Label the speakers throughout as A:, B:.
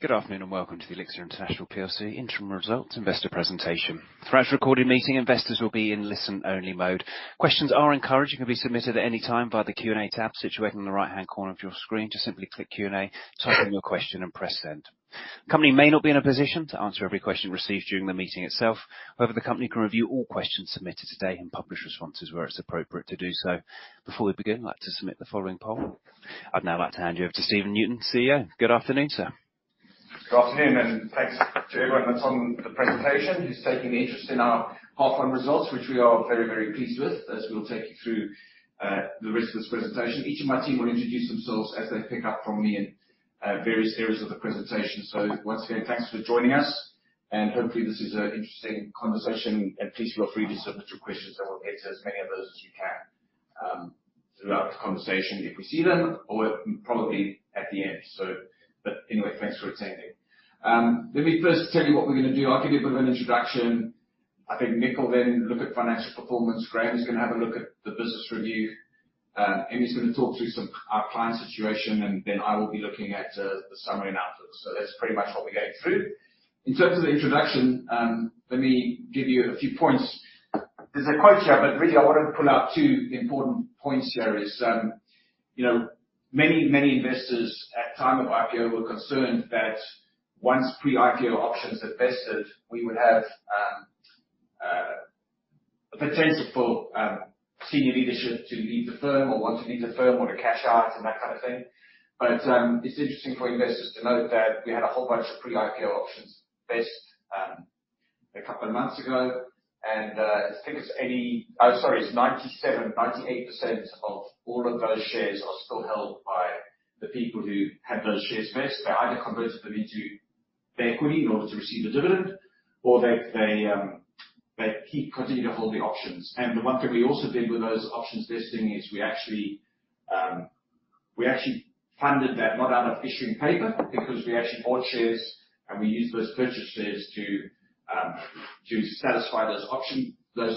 A: Good afternoon, and welcome to the Elixirr International PLC Interim Results Investor Presentation. Throughout the recorded meeting, investors will be in listen-only mode. Questions are encouraged and can be submitted at any time by the Q&A tab situated in the right-hand corner of your screen. Just simply click Q&A, type in your question, and press send. The company may not be in a position to answer every question received during the meeting itself. However, the company can review all questions submitted today and publish responses where it's appropriate to do so. Before we begin, I'd like to submit the following poll. I'd now like to hand you over to Stephen Newton, CEO. Good afternoon, sir.
B: Good afternoon, and thanks to everyone that's on the presentation, who's taking an interest in our half-year results, which we are very, very pleased with, as we'll take you through the rest of this presentation. Each of my team will introduce themselves as they pick up from me in various areas of the presentation. Once again, thanks for joining us, and hopefully, this is an interesting conversation. Please feel free to submit your questions, and we'll get to as many of those as we can throughout the conversation if we see them or probably at the end. Anyway, thanks for attending. Let me first tell you what we're gonna do. I'll give you a bit of an introduction. I think Nick will then look at financial performance. Graham is gonna have a look at the business review. Emiko is gonna talk through some our client situation, and then I will be looking at the summary and outlook. So that's pretty much what we're going through. In terms of the introduction, let me give you a few points. There's a quote here, but really, I wanted to pull out two important points here is, you know, many, many investors at the time of IPO were concerned that once pre-IPO options had vested, we would have a potential for senior leadership to leave the firm or want to leave the firm or to cash out and that kind of thing. But it's interesting for investors to note that we had a whole bunch of pre-IPO options vest a couple of months ago, and I think it's eighty... Oh, sorry, it's 97%-98% of all of those shares are still held by the people who had those shares vest. They either converted them into the equity in order to receive a dividend or they continue to hold the options. And the one thing we also did with those options vesting is we actually funded that not out of issuing paper, because we actually bought shares, and we used those purchased shares to satisfy those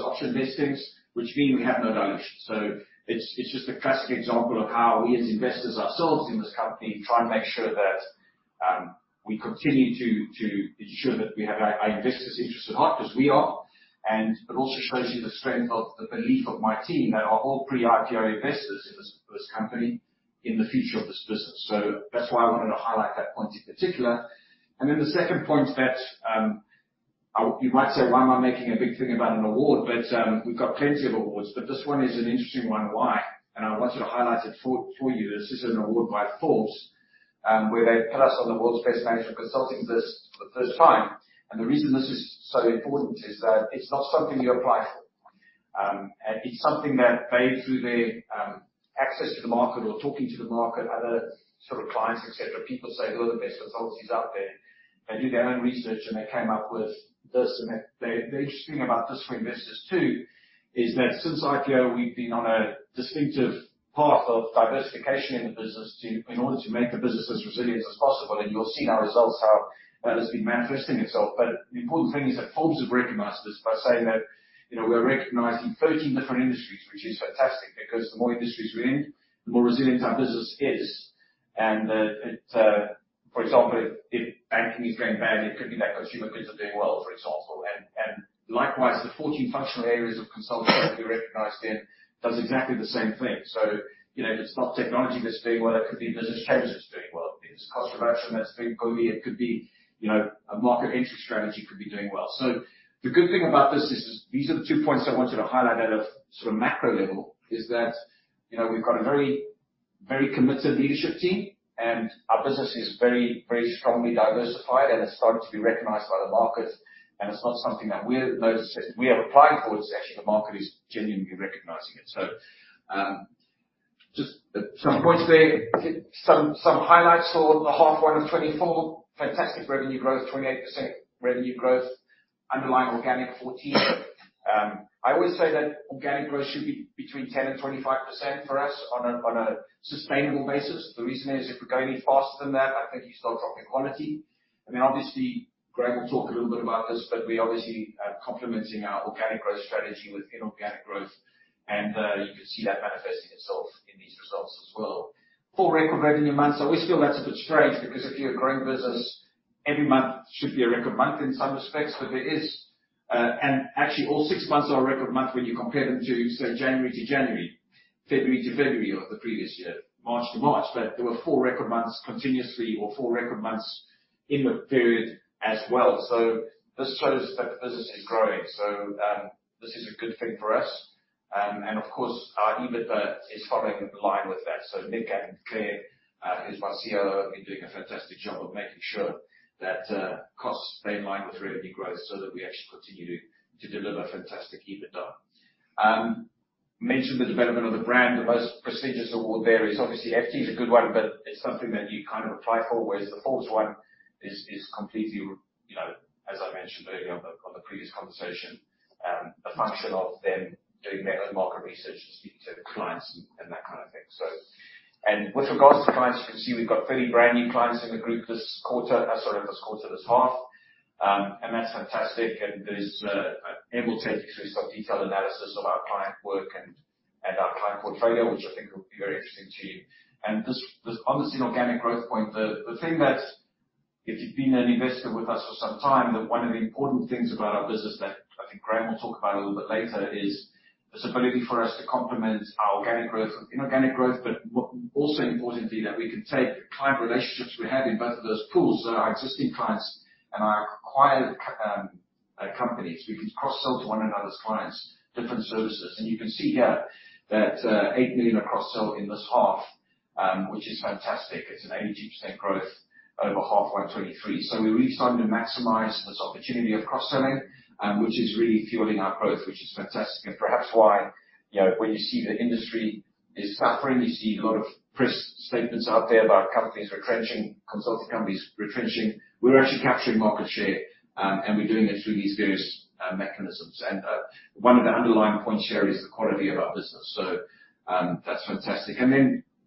B: option vestings, which mean we have no dilution. So it's just a classic example of how we, as investors ourselves in this company, try and make sure that we continue to ensure that we have our investors' interests at heart, because we are. And it also shows you the strength of the belief of my team. They are all pre-IPO investors in this company, in the future of this business. So that's why I wanted to highlight that point in particular. And then the second point that you might say, why am I making a big thing about an award? But we've got plenty of awards, but this one is an interesting one. Why? And I want you to highlight it for you. This is an award by Forbes, where they put us on the World's Best Management Consulting list for the first time. And the reason this is so important is that it's not something you apply for, and it's something that they, through their access to the market or talking to the market, other sort of clients, et cetera, people say, "Who are the best consultancies out there?" They do their own research, and they came up with this. And the interesting about this for investors, too, is that since IPO, we've been on a distinctive path of diversification in the business to, in order to make the business as resilient as possible. And you'll see in our results how that has been manifesting itself. But the important thing is that Forbes has recognized us by saying that, you know, we're recognized in 13 different industries, which is fantastic, because the more industries we're in, the more resilient our business is. And, for example, if banking is going badly, it could be that consumer goods are doing well, for example. And likewise, the fourteen functional areas of consulting that we're recognized in does exactly the same thing. So, you know, if it's not technology that's doing well, it could be business change that's doing well. It could be cost reduction that's doing well, it could be, you know, a market entry strategy could be doing well. So the good thing about this is, these are the two points I wanted to highlight at a sort of macro level, is that, you know, we've got a very, very committed leadership team, and our business is very, very strongly diversified, and it's starting to be recognized by the market, and it's not something that we're necessarily - we are applying for, it's actually the market is genuinely recognizing it. Just some points there. Some highlights for the first half of 2024. Fantastic revenue growth, 28% revenue growth, underlying organic 14%. I always say that organic growth should be between 10% and 25% for us on a sustainable basis. The reason is, if we go any faster than that, I think you start dropping quality. I mean, obviously, Graham will talk a little bit about this, but we're obviously complementing our organic growth strategy with inorganic growth, and you can see that manifesting itself in these results as well. Four record revenue months. I always feel that's a bit strange, because if you're a growing business, every month should be a record month in some respects. But there is, and actually, all six months are a record month when you compare them to, say, January to January, February to February of the previous year, March to March. But there were four record months continuously or four record months in the period as well. So this shows that the business is growing, so this is a good thing for us. And of course, our EBITDA is following in line with that. So Nick and Clare, who's my COO, have been doing a fantastic job of making sure that costs stay in line with revenue growth so that we actually continue to deliver fantastic EBITDA. Mentioned the development of the brand. The most prestigious award there is obviously FT is a good one, but it's something that you kind of apply for, whereas the Forbes one is completely, you know, as I mentioned earlier on the previous conversation, a function of them doing their own market research and speaking to the clients and that kind of thing, so. With regards to clients, you can see we've got 30 brand new clients in the group this quarter. Sorry, not this quarter, this half. And that's fantastic. And there's Nick will take you through some detailed analysis of our client work and our client portfolio, which I think will be very interesting to you. And this obviously inorganic growth point, the thing that-... If you've been an investor with us for some time, then one of the important things about our business that I think Graham will talk about a little bit later is this ability for us to complement our organic growth with inorganic growth, but also importantly that we can take client relationships we have in both of those pools, so our existing clients and our acquired companies, we can cross-sell to one another's clients different services, and you can see here that 8 million in cross-sell in this half, which is fantastic. It's an 82% growth over H1 2023, so we're really starting to maximize this opportunity of cross-selling, which is really fueling our growth, which is fantastic. Perhaps why, you know, when you see the industry is suffering, you see a lot of press statements out there about companies retrenching, consulting companies retrenching. We're actually capturing market share, and we're doing it through these various mechanisms. One of the underlying points here is the quality of our business. That's fantastic.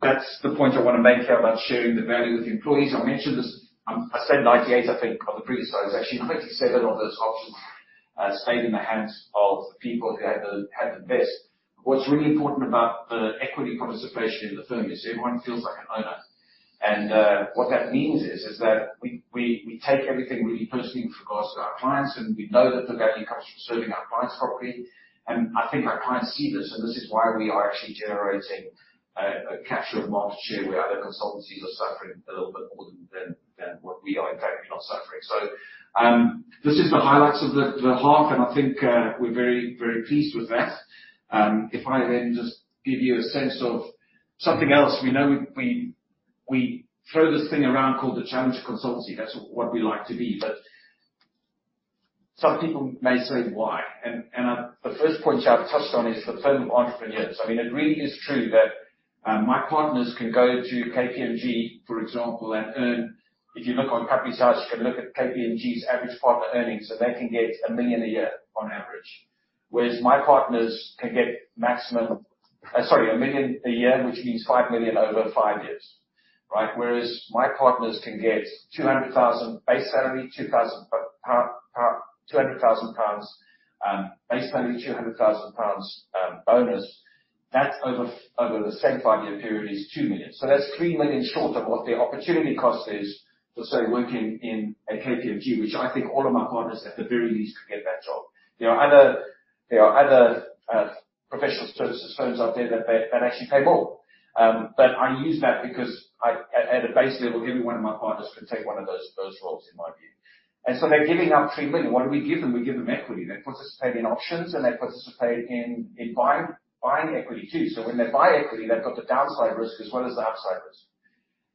B: That's the point I want to make here about sharing the value with the employees. I mentioned this. I said 98, I think, on the previous slide. Actually, 27 of those options stayed in the hands of the people who had them best. What's really important about the equity participation in the firm is everyone feels like an owner. And what that means is that we take everything really personally in regards to our clients, and we know that the value comes from serving our clients properly. And I think our clients see this, and this is why we are actually generating a capture of market share, where other consultancies are suffering a little bit more than what we are. In fact, we're not suffering. So this is the highlights of the half, and I think we're very, very pleased with that. If I then just give you a sense of something else. We know we throw this thing around called the Challenger Consultancy. That's what we like to be, but some people may say, "Why?" And the first point you have touched on is the Firm of Entrepreneurs. I mean, it really is true that my partners can go to KPMG, for example, and earn. If you look on Companies House, you can look at KPMG's average partner earnings, so they can get 1 million a year on average. Whereas my partners can get maximum a million a year, which means 5 million over five years, right? Whereas my partners can get 200,000 pounds base salary, 200,000 pounds base salary, 200,000 pounds bonus. That over the same five-year period is 2 million. So that's 3 million short of what their opportunity cost is, for say, working in a KPMG, which I think all of my partners, at the very least, could get that job. There are other professional services firms out there that actually pay more. But I use that because I at a base level every one of my partners could take one of those roles in my view. And so they're giving up £3 million. What do we give them? We give them equity. They participate in options, and they participate in buying equity too. So when they buy equity they've got the downside risk as well as the upside risk.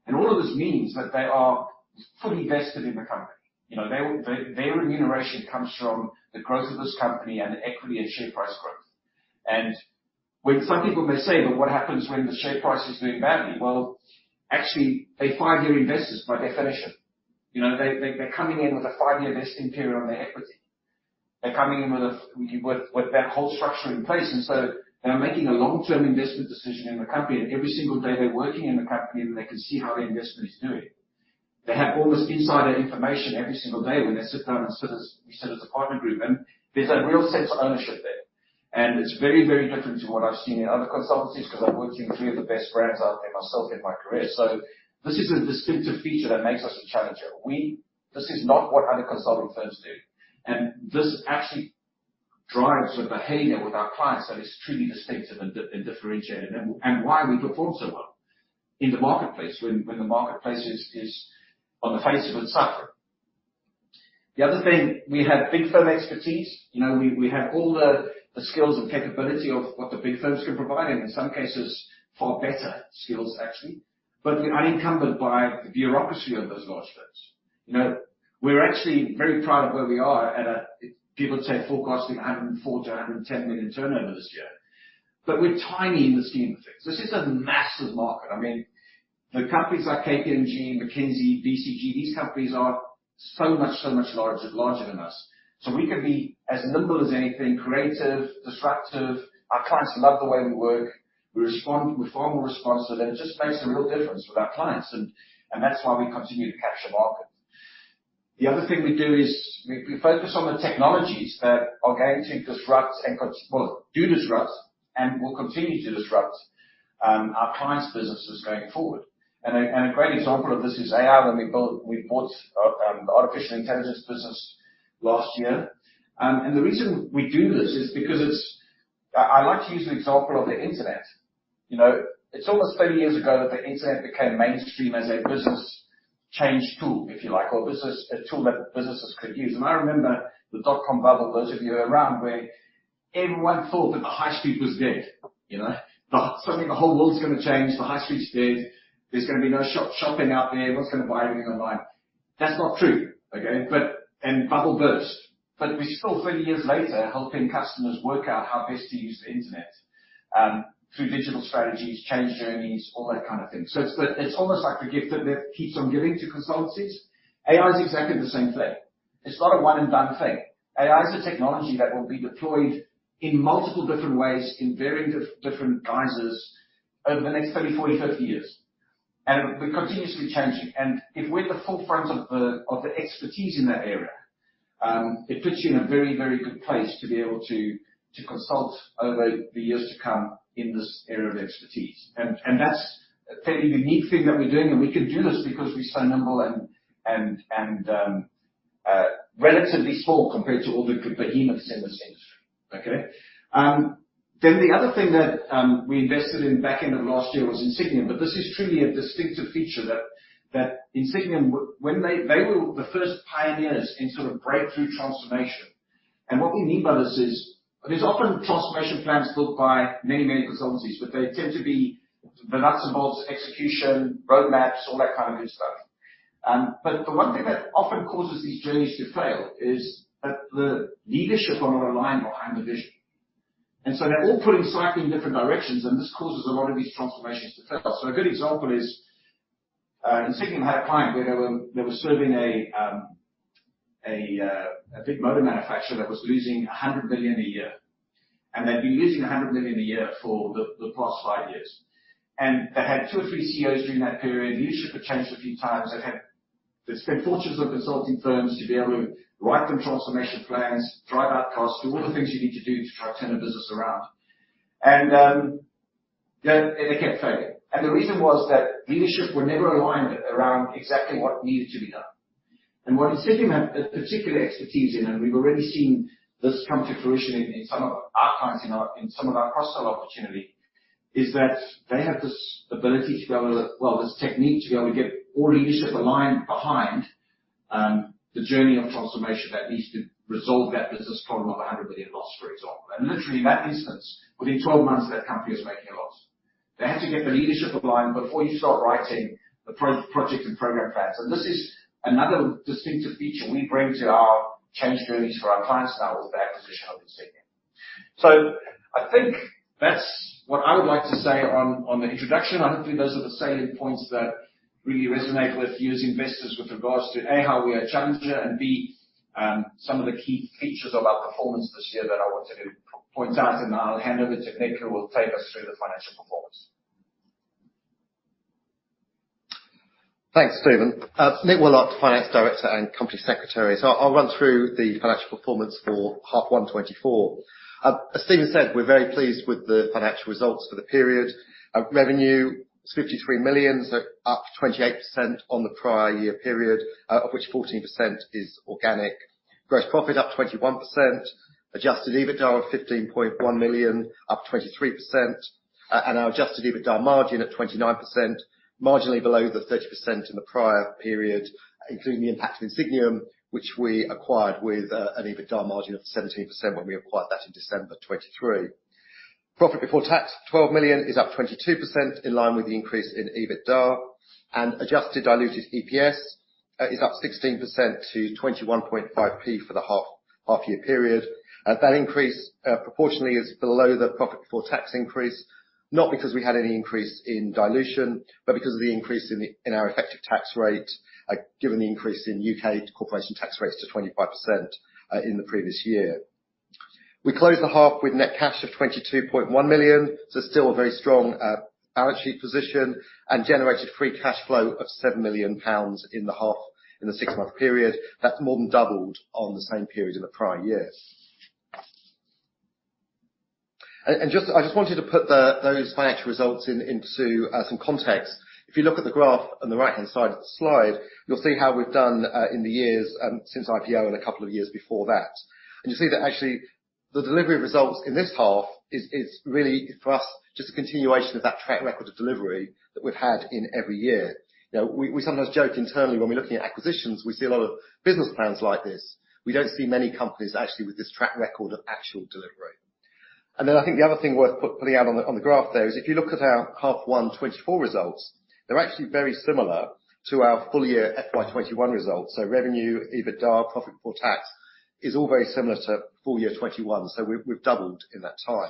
B: And all of this means that they are fully vested in the company. You know, their remuneration comes from the growth of this company and the equity and share price growth. And when some people may say, "But what happens when the share price is doing badly?" Well, actually, they're five-year investors by definition. You know, they're coming in with a five-year vesting period on their equity. They're coming in with that whole structure in place, and so they are making a long-term investment decision in the company, and every single day they're working in the company, and they can see how their investment is doing. They have almost insider information every single day when they sit down, we sit as a partner group, and there's a real sense of ownership there, and it's very, very different to what I've seen in other consultancies, because I've worked in three of the best brands out there myself in my career, so this is a distinctive feature that makes us a challenger. This is not what other consulting firms do, and this actually drives the behavior with our clients that is truly distinctive and differentiated, and why we perform so well in the marketplace when the marketplace is, on the face of it, suffering. The other thing, we have big firm expertise. You know, we have all the skills and capability of what the big firms can provide, and in some cases, far better skills, actually. But we're unencumbered by the bureaucracy of those large firms. You know, we're actually very proud of where we are. People say forecasting 104 million-110 million turnover this year, but we're tiny in the scheme of things. This is a massive market. I mean, the companies like KPMG, McKinsey, BCG, these companies are so much, so much larger, larger than us. So we can be as nimble as anything, creative, disruptive. Our clients love the way we work. We respond, we're far more responsive, and it just makes a real difference with our clients, and that's why we continue to capture market. The other thing we do is we focus on the technologies that are going to disrupt and well, do disrupt and will continue to disrupt our clients' businesses going forward. And a great example of this is AI, when we bought the artificial intelligence business last year. And the reason we do this is because it's. I like to use the example of the internet. You know, it's almost thirty years ago that the internet became mainstream as a business change tool, if you like, or business, a tool that businesses could use. And I remember the dotcom bubble, those of you around, where everyone thought that the high street was dead. You know, suddenly the whole world's gonna change, the high street's dead. There's gonna be no shoe shopping out there. Who's gonna buy anything online? That's not true, okay? But and bubble burst, but we're still thirty years later, helping customers work out how best to use the internet through digital strategies, change journeys, all that kind of thing. So it's, but it's almost like the gift that keeps on giving to consultancies. AI is exactly the same thing. It's not a one-and-done thing. AI is a technology that will be deployed in multiple different ways, in very different guises over the next thirty, forty, fifty years, and be continuously changing. And if we're at the forefront of the expertise in that area, it puts you in a very, very good place to be able to consult over the years to come in this area of expertise. And that's a fairly unique thing that we're doing, and we can do this because we're so nimble and relatively small compared to all the behemoths in this space, okay? Then the other thing that we invested in back end of last year was Insigniam, but this is truly a distinctive feature that Insigniam, when they were the first pioneers in sort of breakthrough transformation. What we mean by this is, there's often transformation plans built by many, many consultancies, but they tend to be nuts and bolts, execution, roadmaps, all that kind of good stuff. But the one thing that often causes these journeys to fail is that the leadership are not aligned behind the vision. So they're all pulling slightly in different directions, and this causes a lot of these transformations to fail. A good example is, Insigniam had a client where they were serving a big motor manufacturer that was losing 100 million a year, and they'd been losing 100 million a year for the past five years. They had two or three CEOs during that period. Leadership had changed a few times. They'd spent fortunes with consulting firms to be able to write them transformation plans, drive out costs, do all the things you need to do to try to turn a business around. Then they kept failing. The reason was that leadership were never aligned around exactly what needed to be done. What Insigniam have a particular expertise in, and we've already seen this come to fruition in some of our clients, some of our cross-sell opportunity, is that they have this ability to be able to, well, this technique, to be able to get all the leadership aligned behind the journey of transformation that needs to resolve that business problem of a hundred million loss, for example. Literally, in that instance, within twelve months, that company was making a profit. They had to get the leadership aligned before you start writing the project and program plans. And this is another distinctive feature we bring to our change journeys for our clients now with the acquisition of Insigniam. So I think that's what I would like to say on the introduction. Hopefully, those are the salient points that really resonate with you as investors with regards to, A, how we are challenging, and B, some of the key features of our performance this year that I wanted to point out, and I'll hand over to Nick, who will take us through the financial performance.
C: Thanks, Stephen. Nick Willard, Finance Director and Company Secretary. So I'll run through the financial performance for half 1 2024. As Stephen said, we're very pleased with the financial results for the period. Our revenue is 53 million, so up 28% on the prior year period, of which 14% is organic. Gross profit up 21%. Adjusted EBITDA of 15.1 million, up 23%, and our adjusted EBITDA margin at 29%, marginally below the 30% in the prior period, including the impact of Insigniam, which we acquired with an EBITDA margin of 17% when we acquired that in December 2023. Profit before tax, 12 million, is up 22%, in line with the increase in EBITDA. And adjusted diluted EPS is up 16% to 21.5p for the half-year period. That increase, proportionally is below the profit before tax increase, not because we had any increase in dilution, but because of the increase in the, in our effective tax rate, given the increase in U.K. corporation tax rates to 25%, in the previous year. We closed the half with net cash of 22.1 million, so still a very strong, balance sheet position, and generated free cash flow of 7 million pounds in the half, in the six-month period. That's more than doubled on the same period in the prior year. I just wanted to put those financial results into some context. If you look at the graph on the right-hand side of the slide, you'll see how we've done in the years since IPO and a couple of years before that. You'll see that actually, the delivery of results in this half is really, for us, just a continuation of that track record of delivery that we've had in every year. You know, we sometimes joke internally when we're looking at acquisitions, we see a lot of business plans like this. We don't see many companies actually with this track record of actual delivery. And then I think the other thing worth putting out on the graph there is if you look at our half one 2024 results, they're actually very similar to our full year FY 2021 results. So revenue, EBITDA, profit before tax, is all very similar to full year 2021. So we've doubled in that time.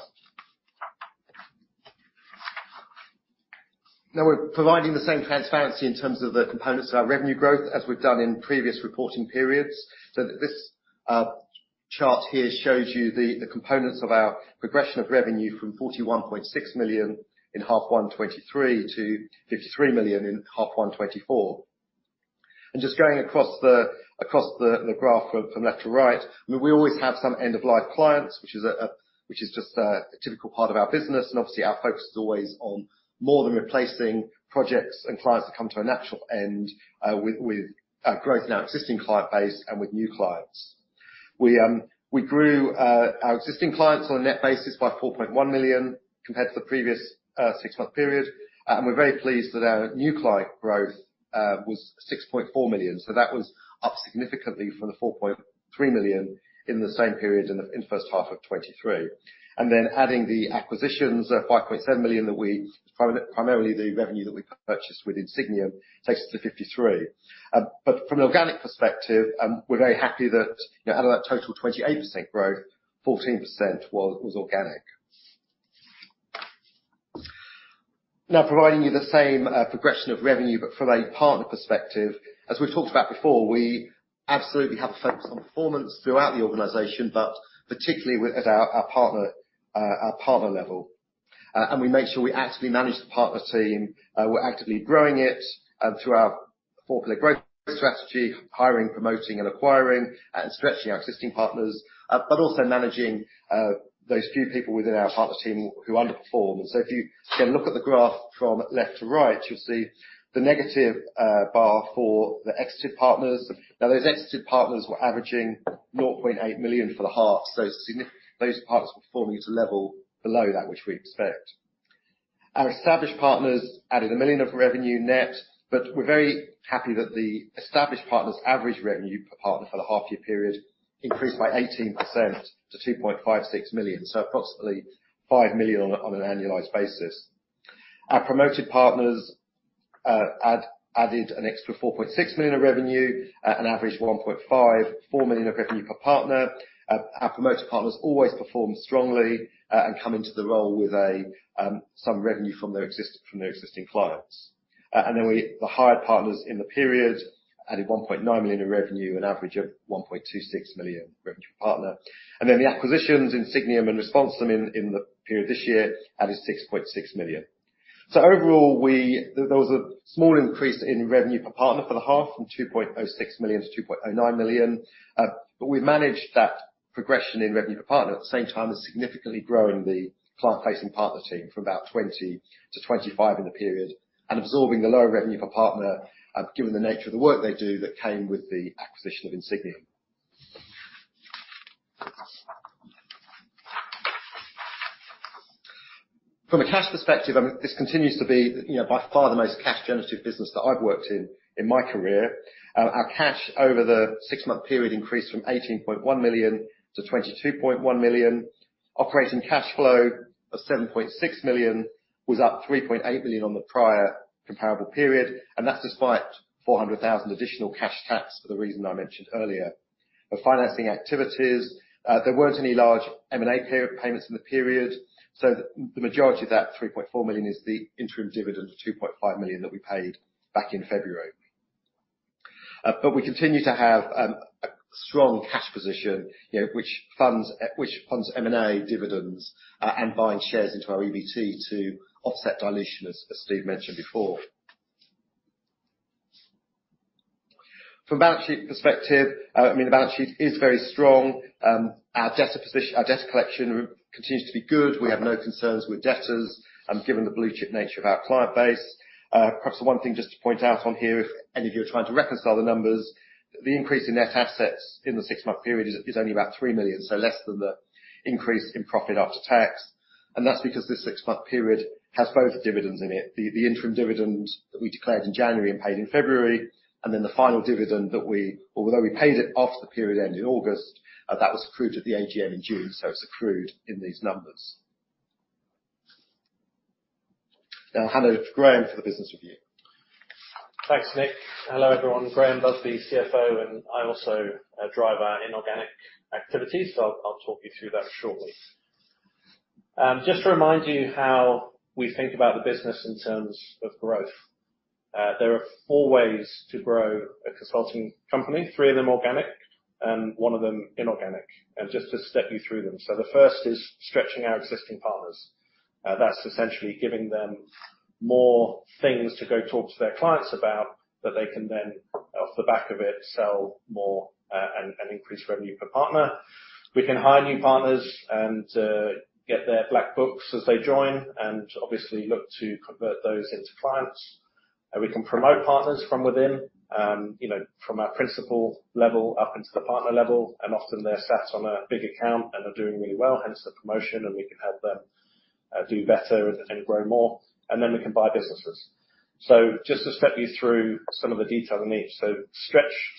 C: Now, we're providing the same transparency in terms of the components of our revenue growth as we've done in previous reporting periods. This chart here shows you the components of our progression of revenue from 41.6 million in half one 2023 to 53 million in half one 2024. Just going across the graph from left to right, we always have some end-of-life clients, which is just a typical part of our business, and obviously, our focus is always on more than replacing projects and clients that come to a natural end, with growth in our existing client base and with new clients. We grew our existing clients on a net basis by 4.1 million compared to the previous six-month period. We're very pleased that our new client growth was 6.4 million. So that was up significantly from the 4.3 million in the same period in the first half of 2023. And then adding the acquisitions, five point seven million, primarily the revenue that we purchased with Insigniam, takes us to 53 million. But from an organic perspective, we're very happy that, out of that total 28% growth, 14% was organic. Now, providing you the same progression of revenue, but from a partner perspective, as we've talked about before, we absolutely have a focus on performance throughout the organization, but particularly with our partner level, and we make sure we actively manage the partner team. We're actively growing it through our four-pillar growth strategy, hiring, promoting, and acquiring, and stretching our existing partners, but also managing those few people within our partner team who underperform. If you, again, look at the graph from left to right, you'll see the negative bar for the exited partners. Now, those exited partners were averaging 0.8 million for the half. Those partners were performing to a level below that which we expect. Our established partners added 1 million of revenue net, but we're very happy that the established partners' average revenue per partner for the half year period increased by 18% to 2.56 million, so approximately 5 million on an annualized basis. Our promoted partners added an extra 4.6 million of revenue at an average of 1.54 million of revenue per partner. Our promoted partners always perform strongly and come into the role with some revenue from their existing clients. The hired partners in the period added 1.9 million in revenue, an average of 1.26 million revenue per partner. The acquisitions, Insigniam and Responsum in the period this year, added 6.6 million. Overall, there was a small increase in revenue per partner for the half, from 2.06 million to 2.09 million. But we managed that progression in revenue per partner at the same time as significantly growing the client-facing partner team from about 20 to 25 in the period, and absorbing the lower revenue per partner, given the nature of the work they do, that came with the acquisition of Insigniam. From a cash perspective, this continues to be, you know, by far the most cash generative business that I've worked in in my career. Our cash over the six-month period increased from 18.1 million to 22.1 million. Operating cash flow of 7.6 million was up 3.8 million on the prior comparable period, and that's despite 400,000 additional cash tax for the reason I mentioned earlier. The financing activities, there weren't any large M&A payments in the period, so the majority of that 3.4 million is the interim dividend of 2.5 million that we paid back in February, but we continue to have a strong cash position, you know, which funds M&A dividends, and buying shares into our EBT to offset dilution, as Steve mentioned before. From a balance sheet perspective, I mean, the balance sheet is very strong. Our debtor position, our debtor collection continues to be good. We have no concerns with debtors, given the blue chip nature of our client base. Perhaps the one thing just to point out on here, if any of you are trying to reconcile the numbers, the increase in net assets in the six-month period is only about 3 million, so less than the increase in profit after tax. And that's because this six-month period has both dividends in it, the interim dividend that we declared in January and paid in February, and then the final dividend, although we paid it after the period end in August, that was accrued at the AGM in June, so it's accrued in these numbers. Now I'll hand over to Graham for the business review.
D: Thanks, Nick. Hello, everyone. Graham Busby, CFO, and I also drive our inorganic activities, so I'll talk you through that shortly. Just to remind you how we think about the business in terms of growth, there are four ways to grow a consulting company, three of them organic, and one of them inorganic. And just to step you through them. So the first is stretching our existing partners. That's essentially giving them more things to go talk to their clients about, that they can then, off the back of it, sell more, and increase revenue per partner. We can hire new partners and get their black books as they join, and obviously look to convert those into clients. We can promote partners from within, you know, from our principal level up into the partner level, and often they're sat on a big account and are doing really well, hence the promotion, and we can help them do better and grow more. And then we can buy businesses. So just to step you through some of the detail in each. So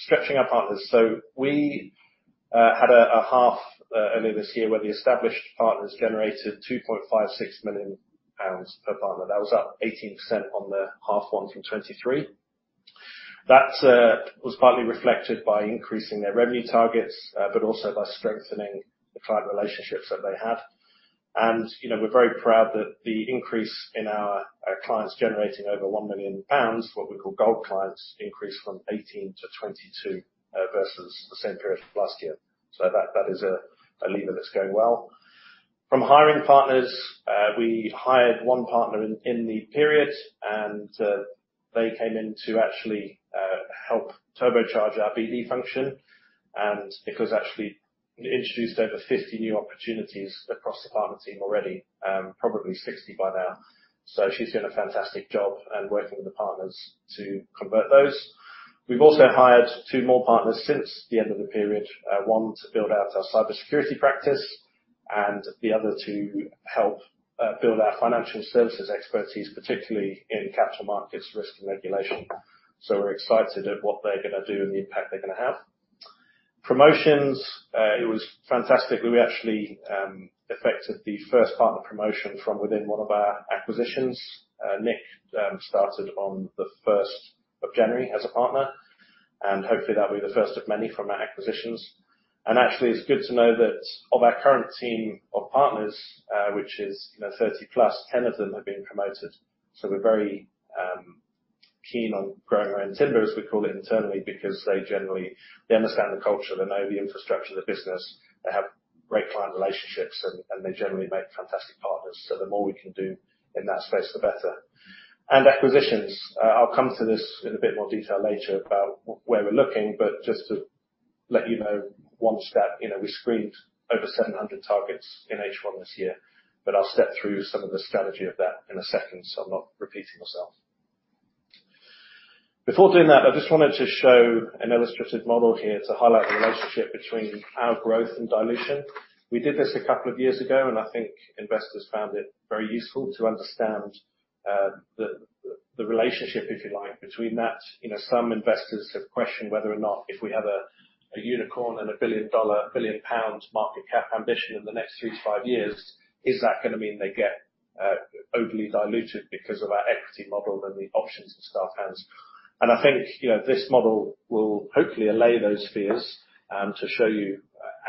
D: stretching our partners. We had a half earlier this year, where the established partners generated 2.56 million pounds per partner. That was up 18% on the half one from 2023. That was partly reflected by increasing their revenue targets, but also by strengthening the client relationships that they have. You know, we're very proud that the increase in our clients generating over 1 million pounds, what we call gold clients, increased from 18 to 22 versus the same period last year. So that is a lever that's going well. From hiring partners, we hired one partner in the period, and they came in to actually help turbocharge our BD function, and has actually introduced over 50 new opportunities across the partner team already, probably 60 by now. So she's doing a fantastic job and working with the partners to convert those. We've also hired two more partners since the end of the period, one to build out our cybersecurity practice and the other to help build our financial services expertise, particularly in capital markets, risk and regulation. So we're excited at what they're gonna do and the impact they're gonna have. Promotions, it was fantastic. We actually effected the first partner promotion from within one of our acquisitions. Nick started on the first of January as a partner, and hopefully, that'll be the first of many from our acquisitions. And actually, it's good to know that of our current team of partners, which is, you know, 30 plus, 10 of them have been promoted. So we're very keen on growing our own timber, as we call it internally, because they generally, they understand the culture, they know the infrastructure of the business, they have great client relationships, and, and they generally make fantastic partners. So the more we can do in that space, the better. Acquisitions, I'll come to this in a bit more detail later about where we're looking, but just to let you know, one stat, you know, we screened over 700 targets in H1 this year, but I'll step through some of the strategy of that in a second, so I'm not repeating myself. Before doing that, I just wanted to show an illustrative model here to highlight the relationship between our growth and dilution. We did this a couple of years ago, and I think investors found it very useful to understand the relationship, if you like, between that. You know, some investors have questioned whether or not, if we have a unicorn and a GBP 1 billion market cap ambition in the next three to five years, is that gonna mean they get overly diluted because of our equity model and the options that staff has? And I think, you know, this model will hopefully allay those fears, to show you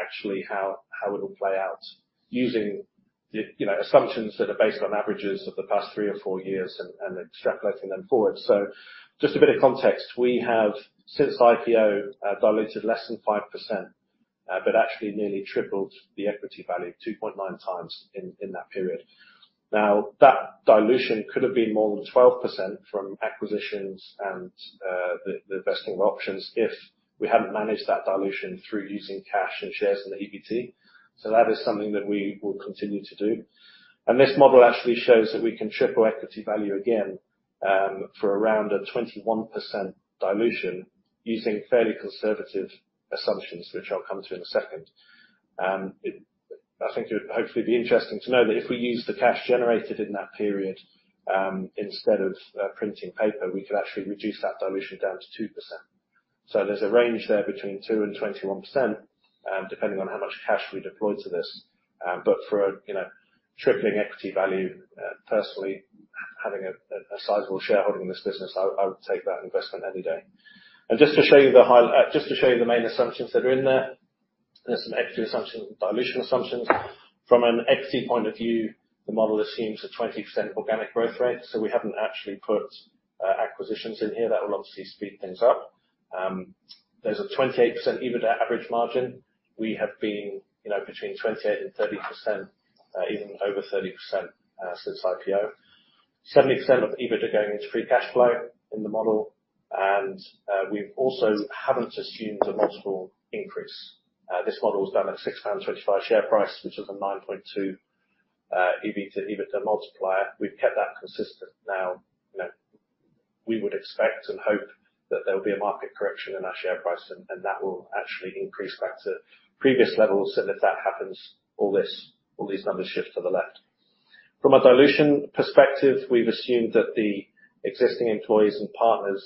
D: actually how it'll play out using the assumptions that are based on averages of the past three or four years and extrapolating them forward. So just a bit of context, we have, since IPO, diluted less than 5%, but actually nearly tripled the equity value 2.9 times in that period. Now, that dilution could have been more than 12% from acquisitions and, the vesting of options, if we hadn't managed that dilution through using cash and shares in the EBT. So that is something that we will continue to do. And this model actually shows that we can triple equity value again, for around a 21% dilution, using fairly conservative assumptions, which I'll come to in a second. I think it would hopefully be interesting to know that if we use the cash generated in that period, instead of, printing paper, we could actually reduce that dilution down to 2%. So there's a range there between 2% and 21%, depending on how much cash we deploy to this. But for a, you know, tripling equity value, personally, having a sizable shareholding in this business, I would, I would take that investment any day. And just to show you the main assumptions that are in there, there's some equity assumptions and dilution assumptions. From an equity point of view, the model assumes a 20% organic growth rate, so we haven't actually put acquisitions in here. That will obviously speed things up. There's a 28% EBITDA average margin. We have been, you know, between 28% and 30%, even over 30%, since IPO. 70% of EBITDA going into free cash flow in the model, and we also haven't assumed a multiple increase. This model was done at 6.25 pound share price, which is a 9.2 EBITDA multiplier. We've kept that consistent now. You know, we would expect and hope that there will be a market correction in our share price, and that will actually increase back to previous levels, and if that happens, all these numbers shift to the left. From a dilution perspective, we've assumed that the existing employees and partners,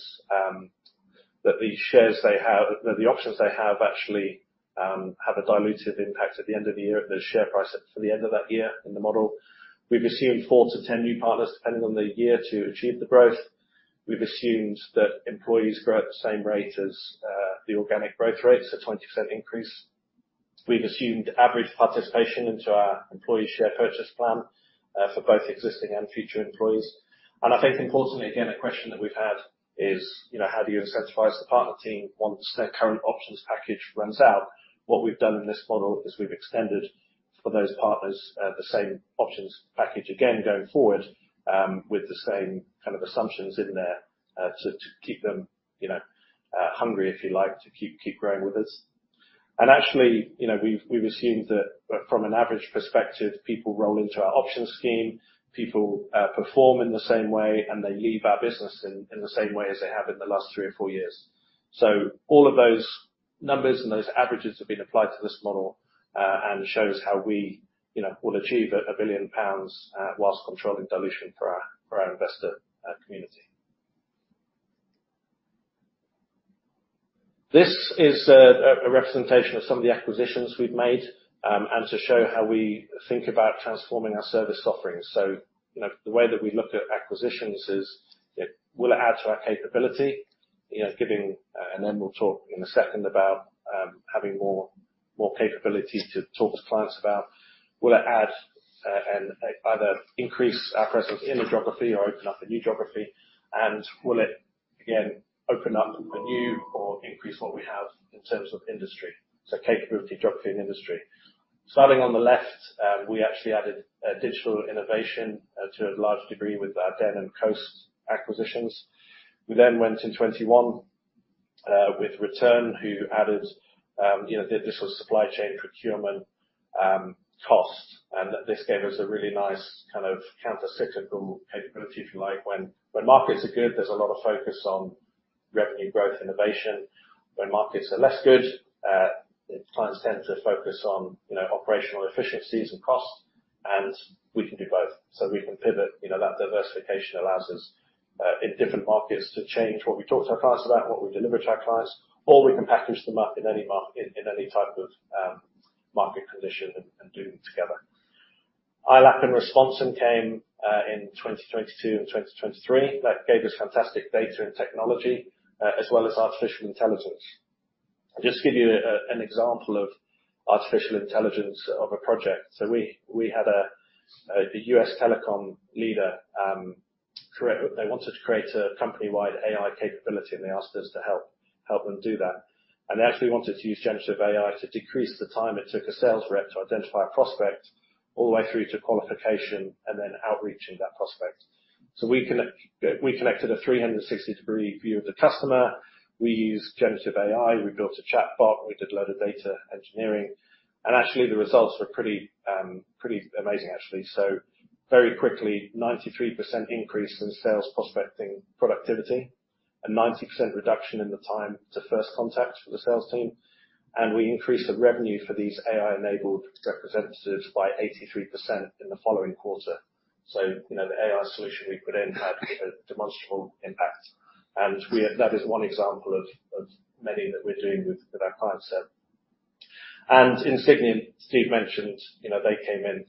D: that the shares they have, that the options they have, actually, have a dilutive impact at the end of the year, at the share price for the end of that year in the model. We've assumed 4 to 10 new partners, depending on the year, to achieve the growth. We've assumed that employees grow at the same rate as the organic growth rate, so 20% increase. We've assumed average participation into our Employee Share Purchase Plan, for both existing and future employees. And I think importantly, again, a question that we've had is, you know, how do you incentivize the partner team once their current options package runs out? What we've done in this model is we've extended, for those partners, the same options package again going forward, with the same kind of assumptions in there, to keep them, you know, hungry, if you like, to keep growing with us. And actually, you know, we've assumed that from an average perspective, people roll into our options scheme, people perform in the same way, and they leave our business in the same way as they have in the last three or four years. So all of those numbers and those averages have been applied to this model, and shows how we, you know, will achieve 1 billion pounds, while controlling dilution for our investor community. This is a representation of some of the acquisitions we've made, and to show how we think about transforming our service offerings. So, you know, the way that we look at acquisitions is will it add to our capability? You know, and then we'll talk in a second about having more capability to talk to clients about, will it add, and either increase our presence in a geography or open up a new geography, and will it, again, open up a new or increase what we have in terms of industry? So capability, geography, and industry. Starting on the left, we actually added digital innovation to a large degree with our Den and Coast acquisitions. We then went in 2021 with Retearn, who added, you know, the additional supply chain procurement cost, and this gave us a really nice kind of countercyclical capability, if you like, when markets are good, there's a lot of focus on revenue growth, innovation. When markets are less good, clients tend to focus on, you know, operational efficiencies and costs, and we can do both. So we can pivot. You know, that diversification allows us in different markets to change what we talk to our clients about, what we deliver to our clients, or we can package them up in any type of market condition and do them together. iOLAP and Responsum came in 2022 and 2023. That gave us fantastic data and technology as well as artificial intelligence. Just to give you an example of artificial intelligence of a project. So we had a U.S. telecom leader. They wanted to create a company-wide AI capability, and they asked us to help them do that. And they actually wanted to use generative AI to decrease the time it took a sales rep to identify a prospect all the way through to qualification and then outreaching that prospect. So we connected a 360-degree view of the customer. We used generative AI, we built a chatbot, we did a lot of data engineering, and actually, the results were pretty amazing, actually. So very quickly, 93% increase in sales prospecting productivity, a 90% reduction in the time to first contact for the sales team, and we increased the revenue for these AI-enabled representatives by 83% in the following quarter. So, you know, the AI solution we put in had a demonstrable impact, and we, that is one example of many that we're doing with our client set. And Insigniam, Steve mentioned, you know, they came in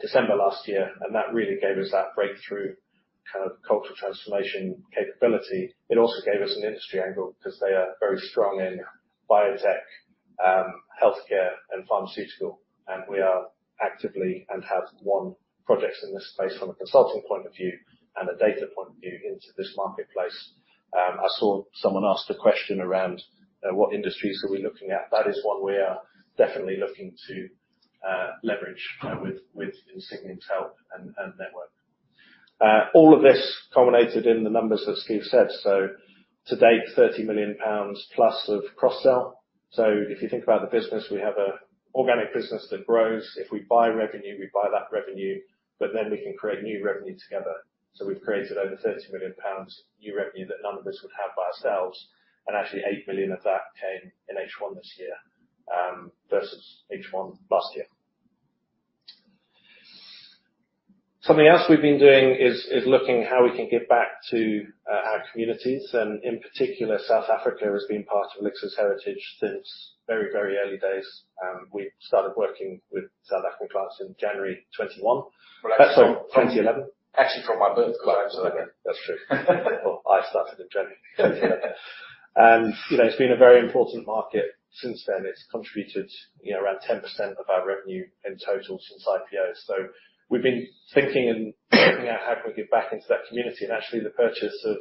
D: December last year, and that really gave us that breakthrough, kind of, cultural transformation capability. It also gave us an industry angle because they are very strong in biotech, healthcare, and pharmaceutical, and we are actively and have won projects in this space from a consulting point of view and a data point of view into this marketplace. I saw someone ask the question around what industries are we looking at? That is one we are definitely looking to leverage with Insigniam's help and network. All of this culminated in the numbers that Steve said. So to date, 30 million pounds plus of cross-sell. So if you think about the business, we have a organic business that grows. If we buy revenue, we buy that revenue, but then we can create new revenue together. So we've created over 30 million pounds new revenue that none of us would have by ourselves, and actually 8 million of that came in H1 this year versus H1 last year. Something else we've been doing is looking how we can give back to our communities, and in particular, South Africa has been part of Elixirr's heritage since very, very early days. We started working with South African clients in January 21, 2011?
B: Actually, from my first clients.
D: That's true. Well, I started in January 2011. You know, it's been a very important market since then. It's contributed, you know, around 10% of our revenue in total since IPO. So we've been thinking and figuring out how can we give back into that community, and actually, the purchase of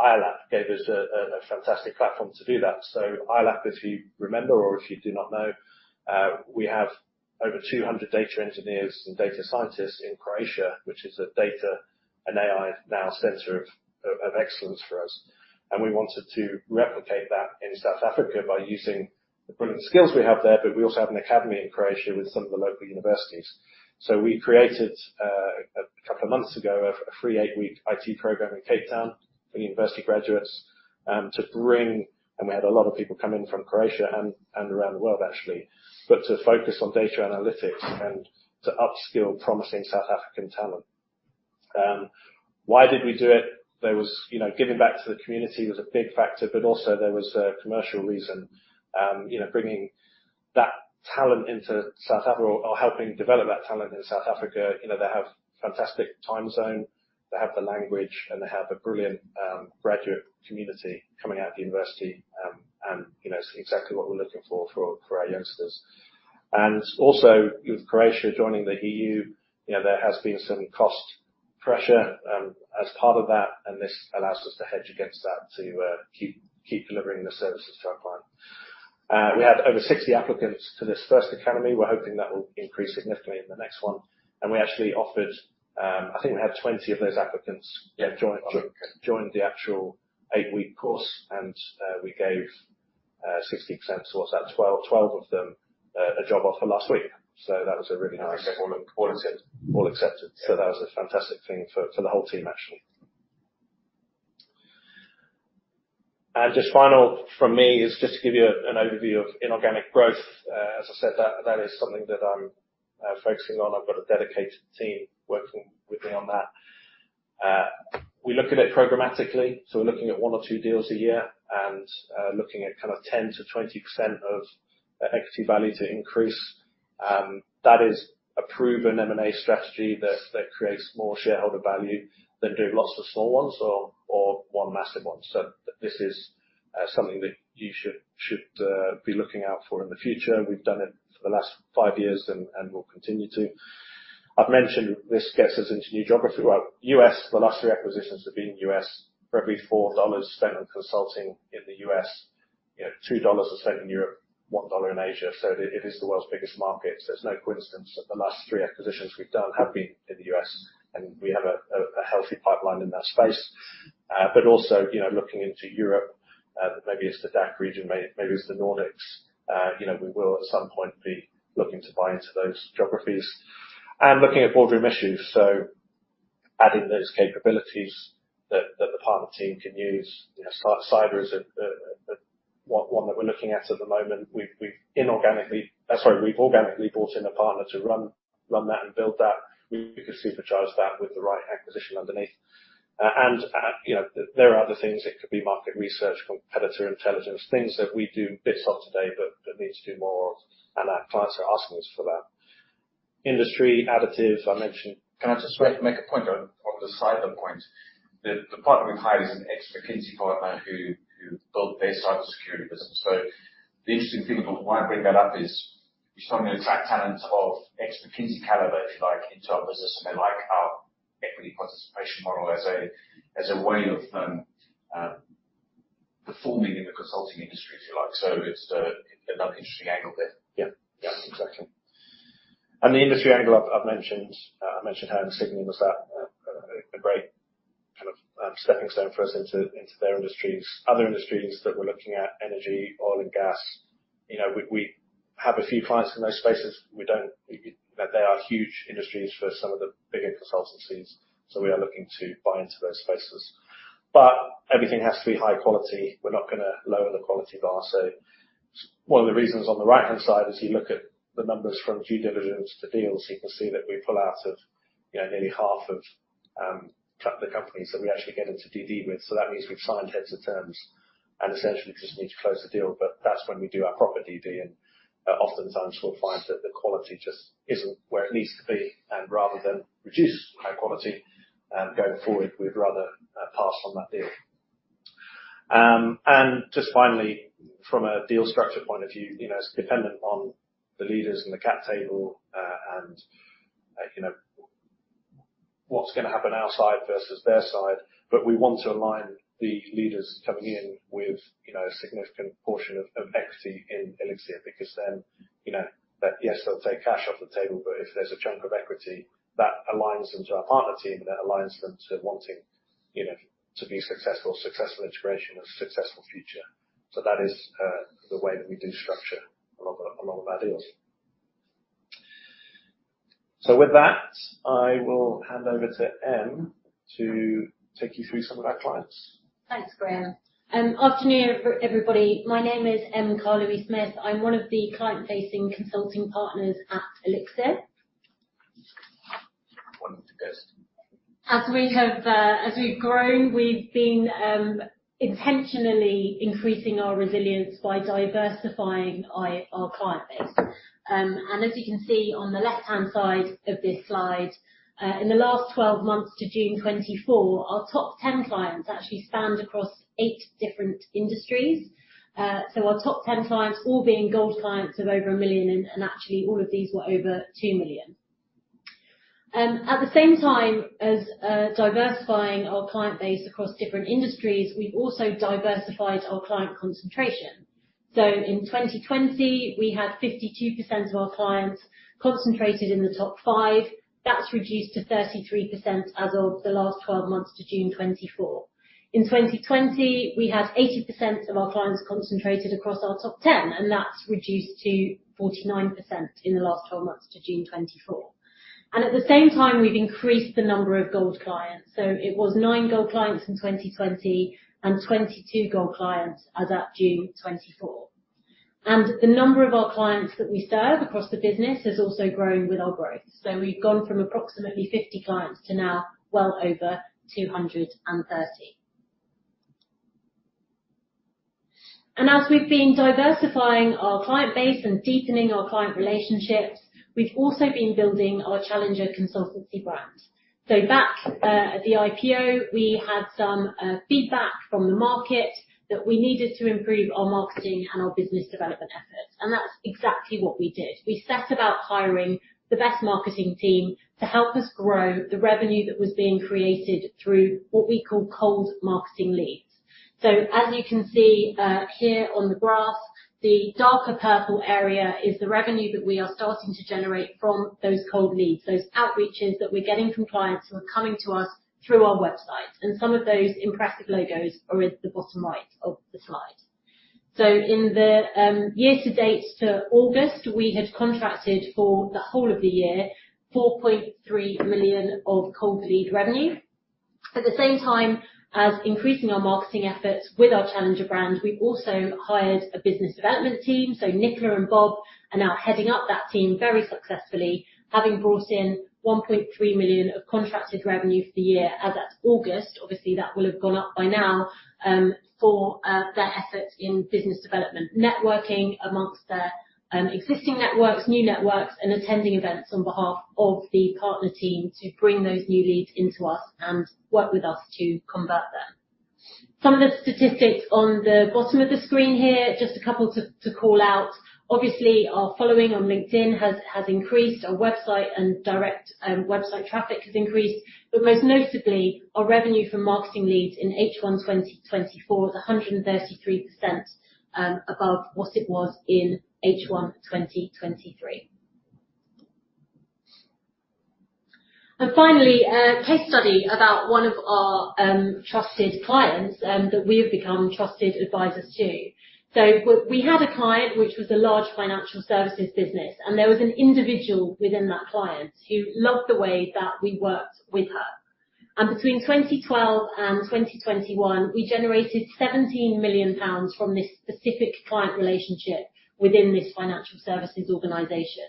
D: iOLAP gave us a fantastic platform to do that. So iOLAP, if you remember or if you do not know, we have over 200 data engineers and data scientists in Croatia, which is a data and AI now center of excellence for us, and we wanted to replicate that in South Africa by using the brilliant skills we have there, but we also have an academy in Croatia with some of the local universities. So we created a couple of months ago a free eight-week IT program in Cape Town for university graduates, and we had a lot of people come in from Croatia and around the world, actually, but to focus on data analytics and to upskill promising South African talent. Why did we do it? There was. You know, giving back to the community was a big factor, but also there was a commercial reason. You know, bringing that talent into South Africa or helping develop that talent in South Africa, you know, they have fantastic time zone, they have the language, and they have a brilliant graduate community coming out of the university. And, you know, it's exactly what we're looking for for our youngsters. And also, with Croatia joining the EU, you know, there has been some cost pressure as part of that, and this allows us to hedge against that to keep delivering the services to our clients. We had over 60 applicants to this first academy. We're hoping that will increase significantly in the next one, and we actually offered... I think we had 20 of those applicants, yeah, join the actual eight-week course, and we gave 60%, so what's that? 12 of them a job offer last week, so that was a really nice- All accepted. So that was a fantastic thing for the whole team, actually. And just finally from me is just to give you an overview of inorganic growth. As I said, that is something that I'm focusing on. I've got a dedicated team working with me on that. We look at it programmatically, so we're looking at one or two deals a year and looking at kind of 10%-20% of equity value to increase. That is a proven M&A strategy that creates more shareholder value than doing lots of small ones or one massive one. So this is something that you should be looking out for in the future. We've done it for the last five years, and we'll continue to. I've mentioned this gets us into new geography. U.S., the last three acquisitions have been in U.S. For every $4 spent on consulting in the U.S., you know, $2 are spent in Europe, $1 in Asia. It is the world's biggest market. It's no coincidence that the last three acquisitions we've done have been in the U.S., and we have a healthy pipeline in that space. But also, you know, looking into Europe, maybe it's the DACH region, maybe it's the Nordics, you know, we will at some point be looking to buy into those geographies. Looking at boardroom issues, so adding those capabilities that the partner team can use. You know, cyber is one that we're looking at at the moment. We've inorganically, sorry, we've organically brought in a partner to run that and build that. We could supercharge that with the right acquisition underneath. You know, there are other things that could be market research, competitor intelligence, things that we do bits of today, but that needs to do more of, and our clients are asking us for that. Industry additive, I mentioned. Can I just make a point on the side of the point, that the partner we've hired is an ex-McKinsey partner who built their cybersecurity business. So the interesting thing about why I bring that up is, we're talking the exact talent of ex-McKinsey caliber, if you like, into our business, and they like our equity participation model as a way of performing in the consulting industry, if you like. So it's another interesting angle there.
B: Yeah. Yeah, exactly.
D: And the industry angle I've mentioned, I mentioned how Insigniam was that a great kind of stepping stone for us into their industries. Other industries that we're looking at, energy, oil and gas, you know, we have a few clients in those spaces. We don't. They are huge industries for some of the bigger consultancies, so we are looking to buy into those spaces. But everything has to be high quality. We're not gonna lower the quality bar. So one of the reasons on the right-hand side, as you look at the numbers from due diligence to deals, you can see that we pull out of, you know, nearly half of the companies that we actually get into DD with. So that means we've signed heads of terms and essentially just need to close the deal, but that's when we do our proper DD, and oftentimes we'll find that the quality just isn't where it needs to be, and rather than reduce high quality going forward, we'd rather pass on that deal. And just finally, from a deal structure point of view, you know, it's dependent on the leaders in the cap table, and you know, what's gonna happen our side versus their side. But we want to align the leaders coming in with you know, a significant portion of equity in Elixirr, because then you know, that yes, they'll take cash off the table, but if there's a chunk of equity, that aligns them to our partner team, that aligns them to wanting you know, to be successful, successful integration, and successful future. So that is the way that we do structure a lot of our deals. So with that, I will hand over to Em to take you through some of our clients.
E: Thanks, Graham. Afternoon, everybody. My name is Emiko Caerlewy-Smith. I'm one of the client-facing consulting partners at Elixirr.
B: One of the best.
E: As we've grown, we've been intentionally increasing our resilience by diversifying our client base. And as you can see on the left-hand side of this slide, in the last 12 months to June 2024, our top 10 clients actually spanned across 8 different industries. So our top 10 clients, all being Gold clients of over £1 million, and actually all of these were over £2 million. At the same time as diversifying our client base across different industries, we've also diversified our client concentration. So in 2020, we had 52% of our clients concentrated in the top 5. That's reduced to 33% as of the last 12 months to June 2024. In 2020, we had 80% of our clients concentrated across our top 10, and that's reduced to 49% in the last twelve months to June 2024. And at the same time, we've increased the number of Gold clients. So it was nine Gold clients in 2020 and 22 Gold clients as at June 2024. And the number of our clients that we serve across the business has also grown with our growth. So we've gone from approximately 50 clients to now well over 230. And as we've been diversifying our client base and deepening our client relationships, we've also been building our Challenger Consultancy brand. So back at the IPO, we had some feedback from the market that we needed to improve our marketing and our business development efforts, and that's exactly what we did. We set about hiring the best marketing team to help us grow the revenue that was being created through what we call cold marketing leads, so as you can see, here on the graph, the darker purple area is the revenue that we are starting to generate from those cold leads, those outreaches that we're getting from clients who are coming to us through our website, and some of those impressive logos are at the bottom right of the slide, so in the year to date to August, we had contracted for the whole of the year, 4.3 million of cold lead revenue. At the same time as increasing our marketing efforts with our challenger brand, we also hired a business development team. So Nicola and Bob are now heading up that team very successfully, having brought in 1.3 million of contracted revenue for the year as at August. Obviously, that will have gone up by now, for their efforts in business development, networking amongst their existing networks, new networks, and attending events on behalf of the partner team to bring those new leads into us and work with us to convert them. Some of the statistics on the bottom of the screen here, just a couple to call out. Obviously, our following on LinkedIn has increased. Our website and direct website traffic has increased, but most notably, our revenue from marketing leads in H1 2024 is 133% above what it was in H1 2023. Finally, a case study about one of our trusted clients that we have become trusted advisors to. We had a client which was a large financial services business, and there was an individual within that client who loved the way that we worked with her. Between 2012 and 2021, we generated 17 million pounds from this specific client relationship within this financial services organization.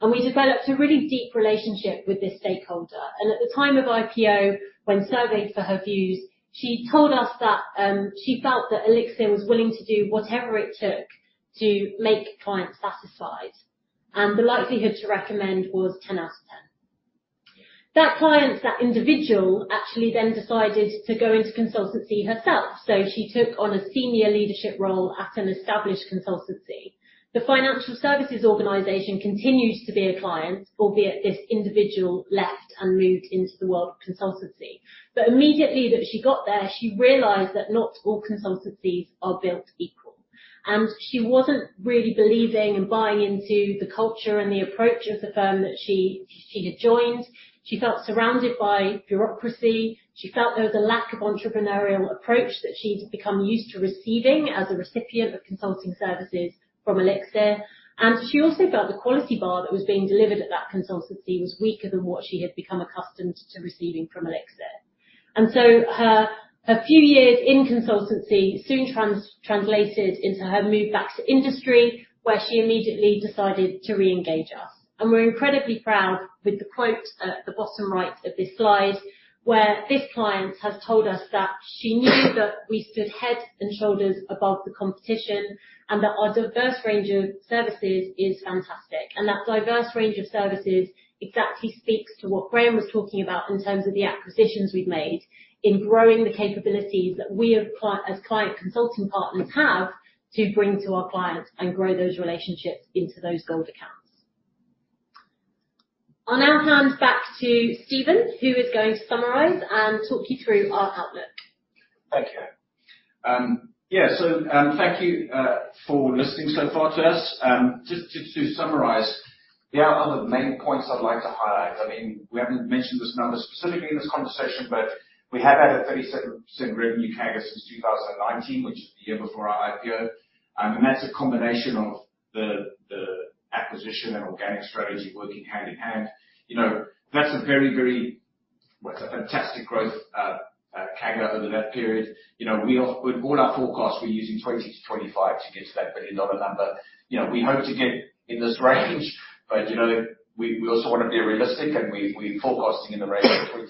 E: We developed a really deep relationship with this stakeholder, and at the time of IPO, when surveyed for her views, she told us that she felt that Elixirr was willing to do whatever it took to make clients satisfied, and the likelihood to recommend was 10 out of 10. That client, that individual, actually then decided to go into consultancy herself, so she took on a senior leadership role at an established consultancy. The financial services organization continues to be a client, albeit this individual left and moved into the world of consultancy. But immediately that she got there, she realized that not all consultancies are built equal, and she wasn't really believing and buying into the culture and the approach of the firm that she had joined. She felt surrounded by bureaucracy. She felt there was a lack of entrepreneurial approach that she'd become used to receiving as a recipient of consulting services from Elixirr, and she also felt the quality bar that was being delivered at that consultancy was weaker than what she had become accustomed to receiving from Elixirr. And so her few years in consultancy soon translated into her move back to industry, where she immediately decided to re-engage us. We're incredibly proud with the quote at the bottom right of this slide, where this client has told us that she knew that we stood head and shoulders above the competition, and that our diverse range of services is fantastic. That diverse range of services exactly speaks to what Graham was talking about in terms of the acquisitions we've made in growing the capabilities that we as client consulting partners have to bring to our clients and grow those relationships into those gold accounts. I'll now hand back to Stephen, who is going to summarize and talk you through our outlook.
B: Thank you. Yeah, so, thank you for listening so far to us. Just to summarize, there are other main points I'd like to highlight. I mean, we haven't mentioned this number specifically in this conversation, but we have had a 37% revenue CAGR since two thousand and nineteen, which is the year before our IPO. And that's a combination of the acquisition and organic strategy working hand in hand. You know, that's a very, very. Well, it's a fantastic growth CAGR over that period. You know, we all, with all our forecasts, we're using 2025 to get to that $1 billion number. You know, we hope to get in this range, but, you know, we also want to be realistic, and we're forecasting in the range of 20%-25%.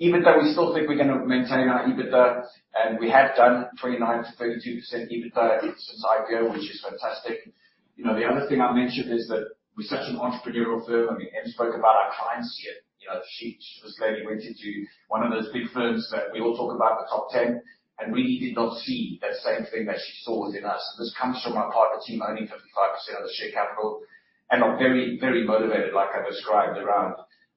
B: EBITDA, we still think we're gonna maintain our EBITDA, and we have done 39%-32% EBITDA since IPO, which is fantastic. You know, the other thing I've mentioned is that we're such an entrepreneurial firm. I mean, Em spoke about our clients here. You know, she, this lady went into one of those big firms that we all talk about, the top ten, and really did not see that same thing that she saw within us. This comes from our partner team owning 55% of the share capital, and are very, very motivated, like I described, around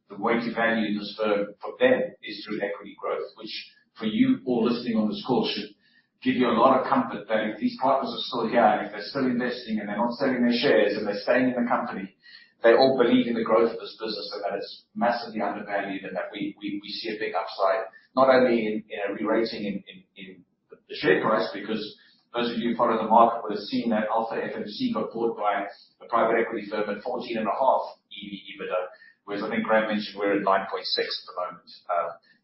B: the way to value this firm for them is through equity growth. Which for you all listening on this call, should give you a lot of comfort that if these partners are still here, and if they're still investing, and they're not selling their shares, and they're staying in the company, they all believe in the growth of this business, and that it's massively undervalued, and that we see a big upside, not only in the share price, because those of you who follow the market will have seen that Alpha FMC got bought by a private equity firm at fourteen and a half EV/EBITDA, whereas I think Graham mentioned we're at nine point six at the moment,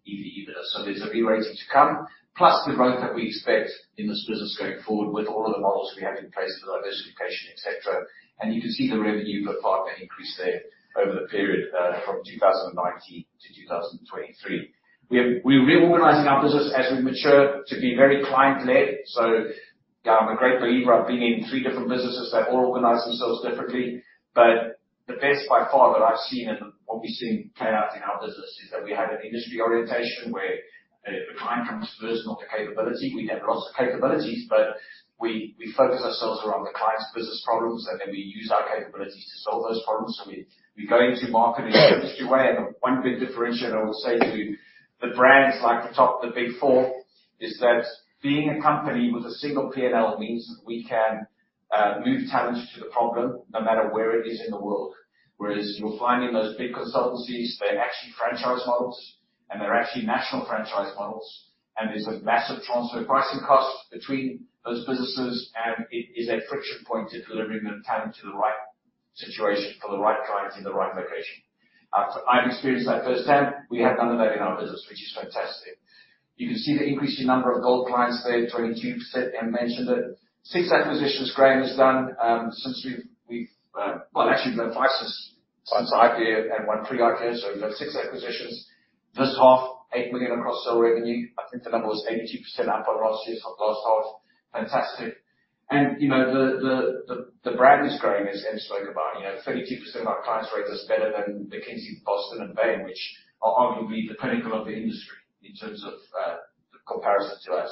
B: EV/EBITDA. So there's a rerating to come, plus the growth that we expect in this business going forward with all of the models we have in place for diversification, et cetera. You can see the revenue profile increase there over the period from 2019 to 2023. We are, we're reorganizing our business as we mature to be very client-led. So I'm a great believer of being in three different businesses that all organize themselves differently. But the best by far that I've seen, and what we've seen play out in our business, is that we have an industry orientation, where the client comes first, not the capability. We have lots of capabilities, but we, we focus ourselves around the client's business problems, and then we use our capabilities to solve those problems. So we go into market in an industry way, and one big differentiator I will say to the brands like the top, the Big Four, is that being a company with a single P&L means that we can move talent to the problem no matter where it is in the world. Whereas you'll find in those big consultancies, they're actually franchise models, and they're actually national franchise models, and there's a massive transfer pricing cost between those businesses, and it is a friction point to delivering the talent to the right situation for the right client in the right location. I've experienced that firsthand. We have none of that in our business, which is fantastic. You can see the increasing number of gold clients there, 22%, and mentioned that six acquisitions Graham has done, since we've... Actually, we've done five since IPO and one pre-IPO, so we've done six acquisitions. This half, £8 million cross-sell revenue. I think the number was 82% up on last year from last half. Fantastic. You know, the brand is growing, as Em spoke about, you know, 32% of our clients rate us better than McKinsey, Boston, and Bain, which are arguably the pinnacle of the industry in terms of the comparison to us.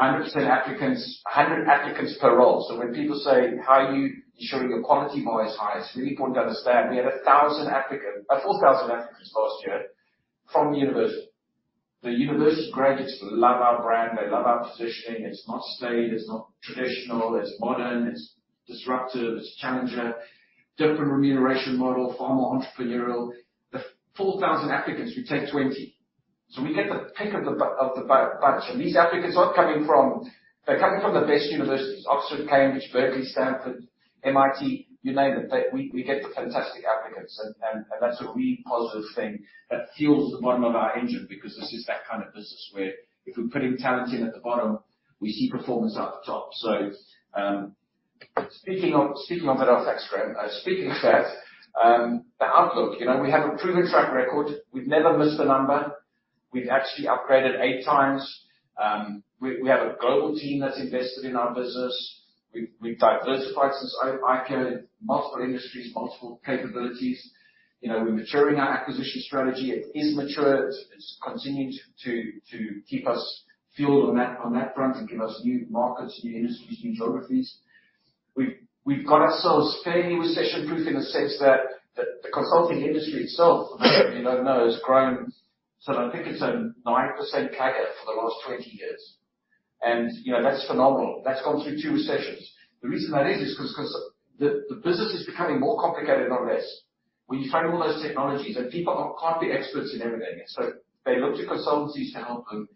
B: 100% applicants, 100 applicants per role. So when people say: How are you ensuring your quality bar is high? It's really important to understand we had 1,000 applicants, 4,000 applicants last year from university. The university graduates love our brand. They love our positioning. It's not staid, it's not traditional, it's modern, it's disruptive, it's challenger, different remuneration model, far more entrepreneurial. The 4,000 applicants, we take 20, so we get the pick of the bunch. And these applicants are coming from... They're coming from the best universities, Oxford, Cambridge, Berkeley, Stanford, MIT, you name it. We get fantastic applicants, and that's a really positive thing that fuels the bottom of our engine, because this is that kind of business, where if we're putting talent in at the bottom, we see performance at the top. So, speaking on that, in fact, Graham, speaking to that, the outlook, you know, we have a proven track record. We've never missed a number. We've actually upgraded 8 times. We have a global team that's invested in our business. We've diversified since I came. Multiple industries, multiple capabilities. You know, we're maturing our acquisition strategy. It is mature. It's continuing to keep us fueled on that front, and give us new markets, new industries, new geographies. We've got ourselves fairly recession-proof in the sense that the consulting industry itself, you know, has grown. So I think it's a 9% CAGR for the last 20 years, and, you know, that's phenomenal. That's gone through 2 recessions. The reason that is because the business is becoming more complicated, not less. When you find all those technologies and people can't be experts in everything, and so they look to consultancies to help them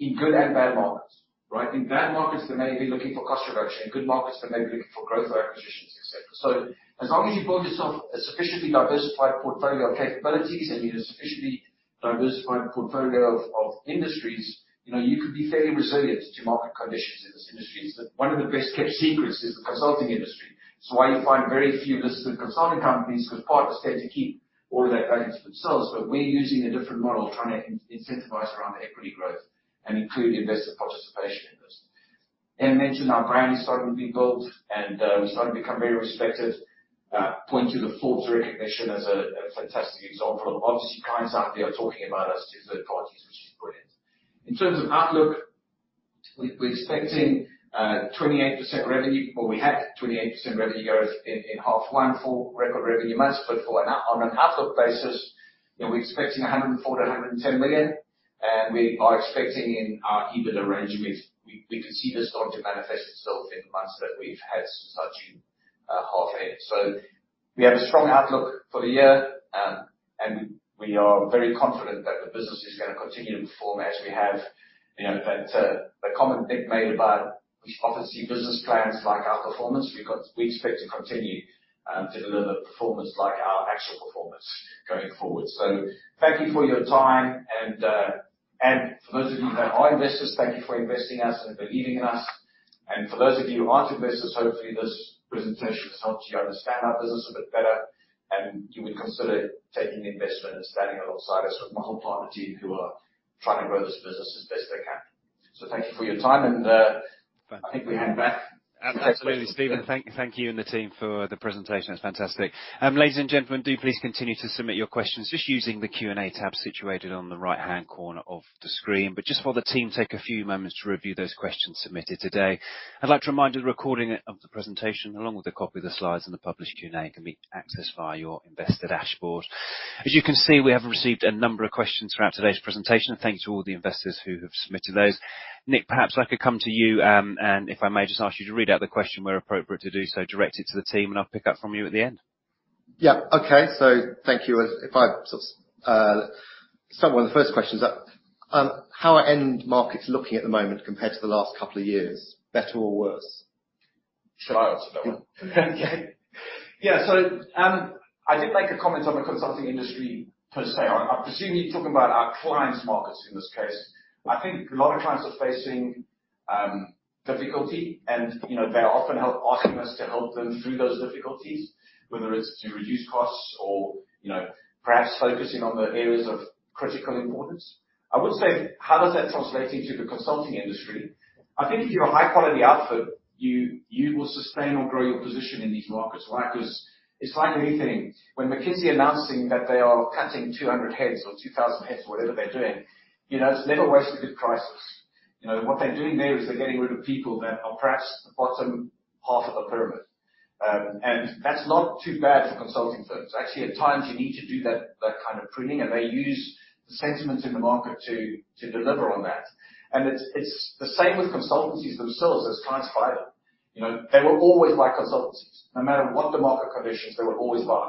B: in good and bad markets, right? In bad markets, they may be looking for cost reduction. In good markets, they may be looking for growth or acquisitions, et cetera. As long as you've built yourself a sufficiently diversified portfolio of capabilities and you have a sufficiently diversified portfolio of industries, you know, you can be fairly resilient to market conditions in this industry. It's that one of the best-kept secrets is the consulting industry. It's why you find very few listed consulting companies, because partners tend to keep all of that value to themselves. But we're using a different model, trying to incentivize around equity growth and include investor participation in this. And I mentioned our brand is starting to be built, and we're starting to become very respected. Point to the Forbes recognition as a fantastic example. Obviously, clients out there are talking about us to third parties, which is brilliant. In terms of outlook, we're expecting 28% revenue, or we had 28% revenue growth in half one, full record revenue months, but on an outlook basis, you know, we're expecting 104 million-110 million, and we are expecting in our EBITDA range, we could see this start to manifest itself in the months that we've had since starting H2. So we have a strong outlook for the year, and we are very confident that the business is gonna continue to perform as we have. You know, that the common thing made about, obviously, business plans like our performance, we expect to continue to deliver performance like our actual performance going forward. So thank you for your time, and, and for those of you that are investors, thank you for investing in us and believing in us. And for those of you who aren't investors, hopefully, this presentation has helped you understand our business a bit better, and you would consider taking an investment and standing alongside us with wonderful partner team who are trying to grow this business as best they can. So thank you for your time, and, I think we hand back.
A: Absolutely, Stephen. Thank you, thank you and the team for the presentation. It's fantastic. Ladies and gentlemen, do please continue to submit your questions, just using the Q&A tab situated on the right-hand corner of the screen. But just while the team take a few moments to review those questions submitted today, I'd like to remind you, the recording of the presentation, along with a copy of the slides and the published Q&A, can be accessed via your investor dashboard. As you can see, we have received a number of questions throughout today's presentation, and thanks to all the investors who have submitted those. Nick, perhaps I could come to you, and if I may just ask you to read out the question, where appropriate to do so, direct it to the team, and I'll pick up from you at the end.
F: Yeah. Okay. So thank you. If I start with the first questions, how are end markets looking at the moment compared to the last couple of years, better or worse?
B: Shall I answer that one?
C: Okay.
B: Yeah, so, I did make a comment on the consulting industry, per se. I presume you're talking about our clients' markets in this case. I think a lot of clients are facing difficulty, and, you know, they're often asking us to help them through those difficulties, whether it's to reduce costs or, you know, perhaps focusing on the areas of critical importance. I would say, how does that translate into the consulting industry? I think if you're a high-quality outfit, you will sustain or grow your position in these markets. Why? Because it's like anything. When McKinsey announcing that they are cutting 200 heads or 2,000 heads, whatever they're doing, you know, it's never waste a good crisis. You know, what they're doing there is they're getting rid of people that are perhaps the bottom half of the pyramid. And that's not too bad for consulting firms. Actually, at times, you need to do that kind of pruning, and they use the sentiment in the market to deliver on that. And it's the same with consultancies themselves as clients buy them. You know, they will always buy consultancies. No matter what the market conditions, they will always buy.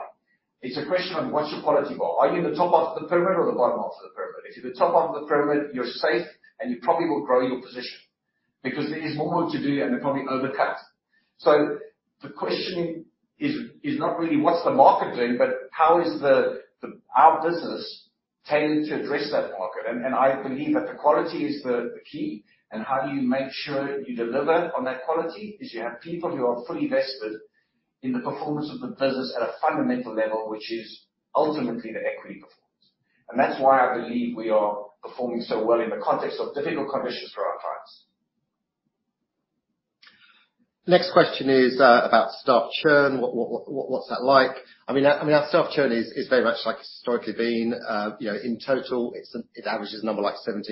B: It's a question of what's your quality bar? Are you in the top half of the pyramid or the bottom half of the pyramid? If you're the top half of the pyramid, you're safe, and you probably will grow your position because there is more work to do, and they're probably overcut. So the questioning is not really what's the market doing, but how is our business tailored to address that market? And I believe that the quality is the key and how do you make sure you deliver on that quality? It's you have people who are fully vested in the performance of the business at a fundamental level, which is ultimately the equity performance. And that's why I believe we are performing so well in the context of difficult conditions for our clients.
C: Next question is about staff churn. What's that like? I mean, our staff churn is very much like it's historically been. You know, in total, it averages a number like 17%,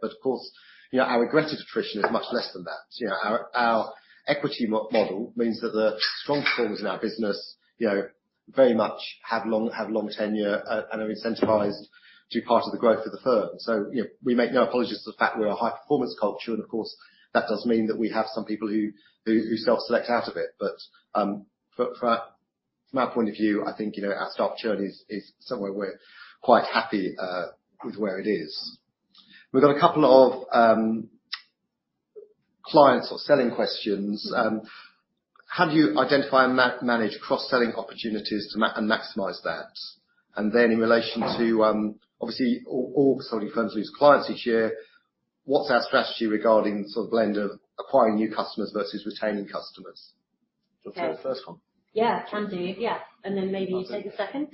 C: but of course, you know, our regretted attrition is much less than that. You know, our equity model means that the strong performers in our business, you know, very much have long tenure, and are incentivized to be part of the growth of the firm. So, you know, we make no apologies to the fact we are a high-performance culture, and of course, that does mean that we have some people who self-select out of it. But from my point of view, I think you know our staff churn is somewhere we're quite happy with where it is. We've got a couple of clients or selling questions. How do you identify and manage cross-selling opportunities to maximize that? And then in relation to obviously all consulting firms lose clients each year, what's our strategy regarding sort of blend of acquiring new customers versus retaining customers?
D: So, the first one?
E: Yeah, handy. Yeah, and then maybe you take the second.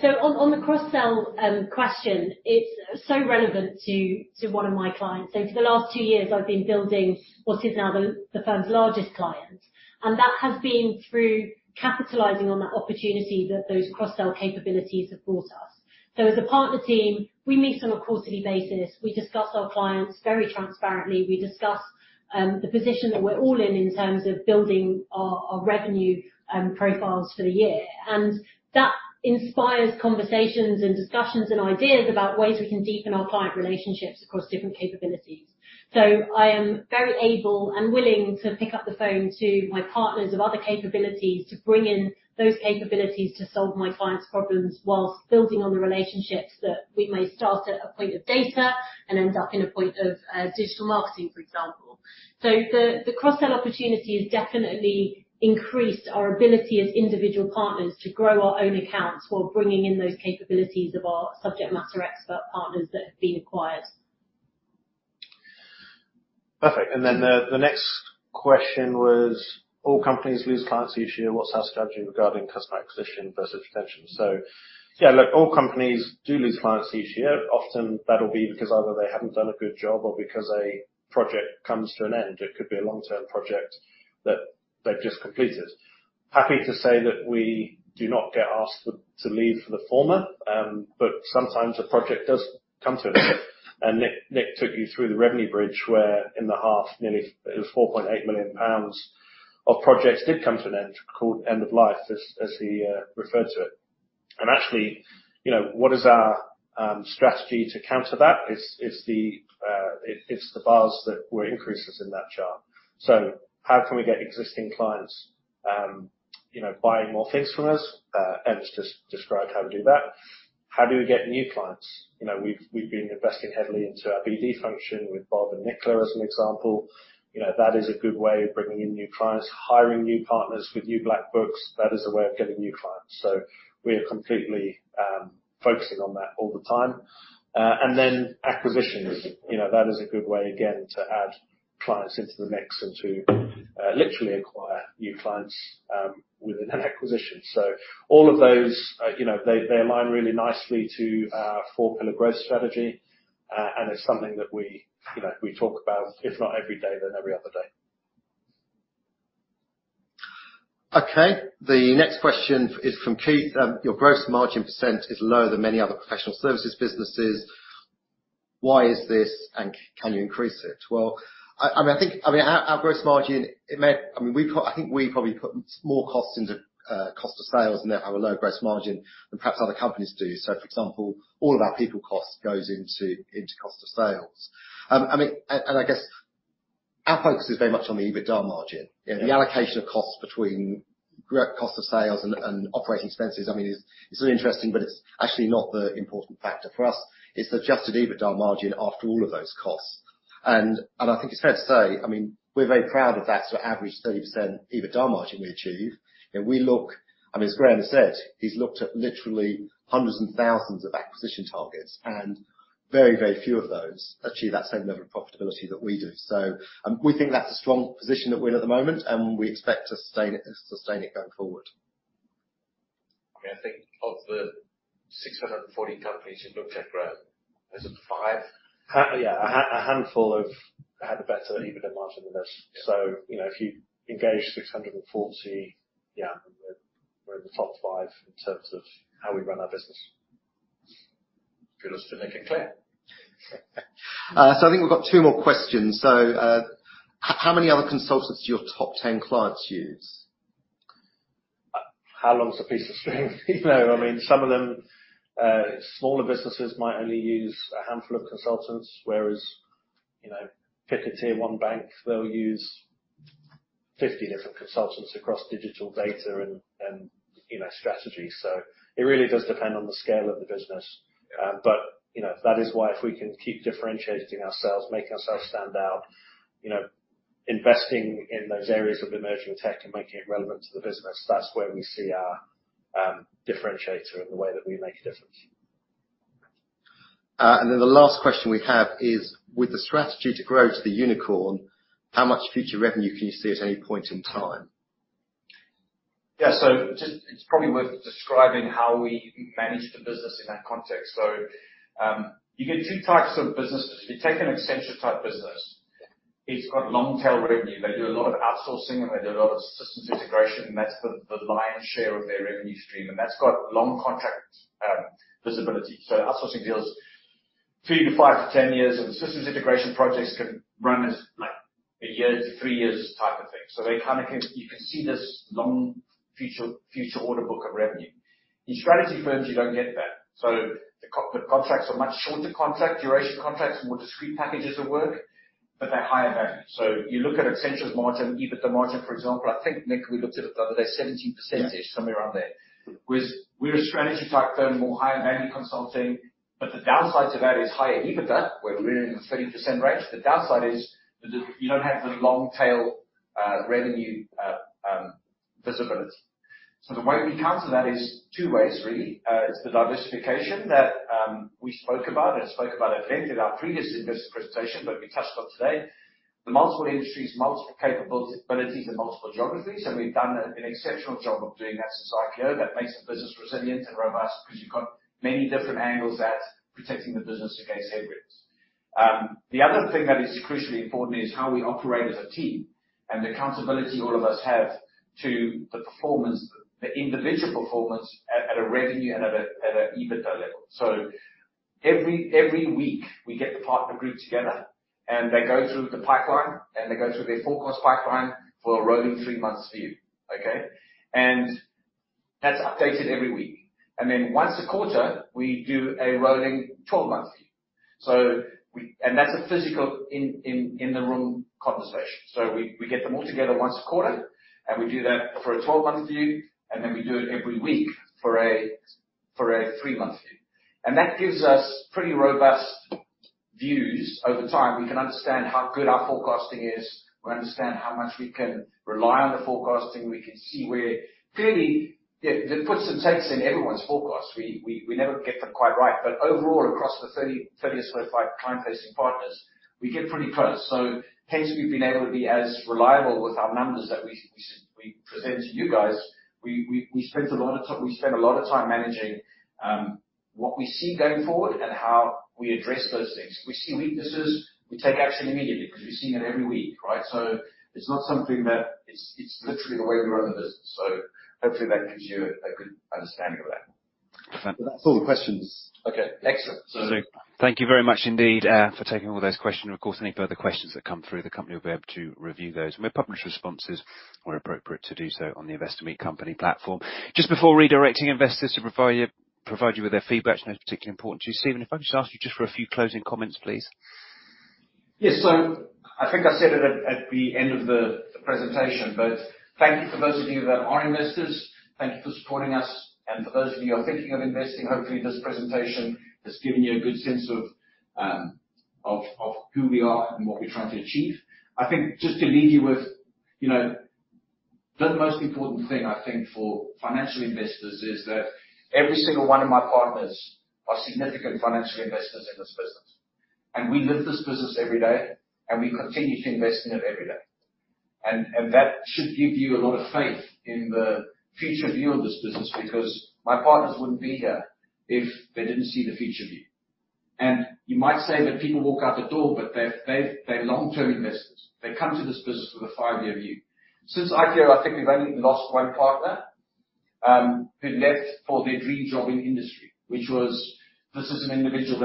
E: So on the cross-sell question, it's so relevant to one of my clients. So for the last two years, I've been building what is now the firm's largest client, and that has been through capitalizing on that opportunity that those cross-sell capabilities have brought us. So as a partner team, we meet on a quarterly basis. We discuss our clients very transparently. We discuss the position that we're all in, in terms of building our revenue profiles for the year, and that inspires conversations and discussions and ideas about ways we can deepen our client relationships across different capabilities. So I am very able and willing to pick up the phone to my partners of other capabilities, to bring in those capabilities to solve my clients' problems, while building on the relationships that we may start at a point of data and end up in a point of, digital marketing, for example. So the cross-sell opportunity has definitely increased our ability as individual partners to grow our own accounts while bringing in those capabilities of our subject matter expert partners that have been acquired.
D: Perfect. And then the next question was: All companies lose clients each year. What's our strategy regarding customer acquisition versus retention? So, yeah, look, all companies do lose clients each year. Often, that'll be because either they haven't done a good job or because a project comes to an end. It could be a long-term project that they've just completed. Happy to say that we do not get asked to leave for the former, but sometimes a project does come to an end. And Nick took you through the revenue bridge, where in the half, nearly, it was 4.8 million pounds of projects did come to an end, called end of life, as he referred to it. And actually, you know, what is our strategy to counter that? It's the bars that were increases in that chart. So how can we get existing clients, you know, buying more things from us? Emma's just described how to do that. How do we get new clients? You know, we've been investing heavily into our BD function with Bob and Nicola as an example. You know, that is a good way of bringing in new clients, hiring new partners with new black books. That is a way of getting new clients. So we are completely focusing on that all the time. And then acquisitions, you know, that is a good way, again, to add clients into the mix and to literally acquire new clients within an acquisition. So all of those, you know, they align really nicely to our four-pillar growth strategy, and it's something that we, you know, we talk about, if not every day, then every other day.
C: Okay. The next question is from Keith. Your gross margin % is lower than many other professional services businesses. Why is this, and can you increase it? Well, I mean, I think—I mean, our gross margin, it may—I mean, we put—I think we probably put more costs into cost of sales and therefore have a lower gross margin than perhaps other companies do. So, for example, all of our people cost goes into cost of sales. I mean, and I guess our focus is very much on the EBITDA margin. And the allocation of costs between cost of sales and operating expenses, I mean, is really interesting, but it's actually not the important factor. For us, it's the adjusted EBITDA margin, after all of those costs. I think it's fair to say, I mean, we're very proud of that sort of average 30% EBITDA margin we achieve. We look... I mean, as Graham has said, he's looked at literally hundreds and thousands of acquisition targets, and very, very few of those achieve that same level of profitability that we do. We think that's a strong position that we're in at the moment, and we expect to sustain it, sustain it going forward. I mean, I think of the six hundred and forty companies you looked at, Graham, is it five?
B: Yeah, a handful of had a better EBITDA margin than us.
D: Yeah.
C: So, you know, if you engage 640, yeah, we're, we're in the top five in terms of how we run our business.
D: Good of us to make it clear.
C: So I think we've got two more questions. So, how many other consultants do your top 10 clients use?
D: How long's a piece of string? You know, I mean, some of them, smaller businesses might only use a handful of consultants, whereas, you know, pick a tier one bank, they'll use 50 different consultants across digital data and, you know, strategy. So it really does depend on the scale of the business.
C: Yeah.
D: But, you know, that is why if we can keep differentiating ourselves, make ourselves stand out, you know, investing in those areas of emerging tech and making it relevant to the business, that's where we see our differentiator and the way that we make a difference.
C: And then the last question we have is: With the strategy to grow to the unicorn, how much future revenue can you see at any point in time?
B: Yeah, so just... It's probably worth describing how we manage the business in that context. So, you get two types of businesses. If you take an Accenture-type business, it's got long-tail revenue. They do a lot of outsourcing, and they do a lot of systems integration, and that's the, the lion's share of their revenue stream, and that's got long contract visibility. So outsourcing deals three to five to ten years, and systems integration projects can run as, like, a year to three years type of thing. So they kind of can you can see this long future, future order book of revenue. In strategy firms, you don't get that. So the contracts are much shorter contract duration contracts, more discrete packages of work, but they're higher value. So you look at Accenture's margin, EBITDA margin, for example. I think, Nick, we looked at it the other day, 17%, somewhere around there. Whereas we're a strategy-type firm, more higher value consulting, but the downside to that is higher EBITDA. We're really in the 30% range. The downside is the - you don't have the long tail revenue visibility. So the way we counter that is two ways, really. It's the diversification that we spoke about, and spoke about at length in our previous investor presentation, but we touched on today. The multiple industries, multiple capabilities, and multiple geographies, and we've done an exceptional job of doing that since IPO. That makes the business resilient and robust, because you've got many different angles at protecting the business against headwinds. The other thing that is crucially important is how we operate as a team, and the accountability all of us have to the performance, the individual performance at a revenue and at an EBITDA level. So every week, we get the partner group together, and they go through the pipeline, and they go through their forecast pipeline for a rolling three-months view, okay? And that's updated every week. And then once a quarter, we do a rolling twelve-month view. And that's a physical in the room conversation. So we get them all together once a quarter, and we do that for a twelve-month view, and then we do it every week for a three-month view. And that gives us pretty robust views over time. We can understand how good our forecasting is. We understand how much we can rely on the forecasting. We can see where. Clearly, there are puts and takes in everyone's forecast. We never get them quite right, but overall, across the thirty or so client-facing partners, we get pretty close. So hence, we've been able to be as reliable with our numbers that we present to you guys. We spend a lot of time managing what we see going forward and how we address those things. We see weaknesses, we take action immediately because we're seeing it every week, right? So it's not something that... It's literally the way we run the business. So hopefully that gives you a good understanding of that.
A: Perfect.
B: That's all the questions. Okay, excellent.
A: Thank you very much indeed for taking all those questions. Of course, any further questions that come through, the company will be able to review those. We may publish responses where appropriate to do so on the Investor Meet Company platform. Just before redirecting investors to provide you with their feedback, I know it's particularly important to you, Stephen, if I could just ask you for a few closing comments, please.
B: Yes. So I think I said it at the end of the presentation, but thank you for those of you that are investors. Thank you for supporting us, and for those of you who are thinking of investing, hopefully, this presentation has given you a good sense of who we are and what we're trying to achieve. I think just to leave you with, you know, the most important thing, I think, for financial investors is that every single one of my partners are significant financial investors in this business, and we live this business every day, and we continue to invest in it every day. And that should give you a lot of faith in the future view of this business, because my partners wouldn't be here if they didn't see the future view. You might say that people walk out the door, but they've, they're long-term investors. They come to this business with a five-year view. Since IPO, I think we've only lost one partner who left for their dream job in industry, which was.... This is an individual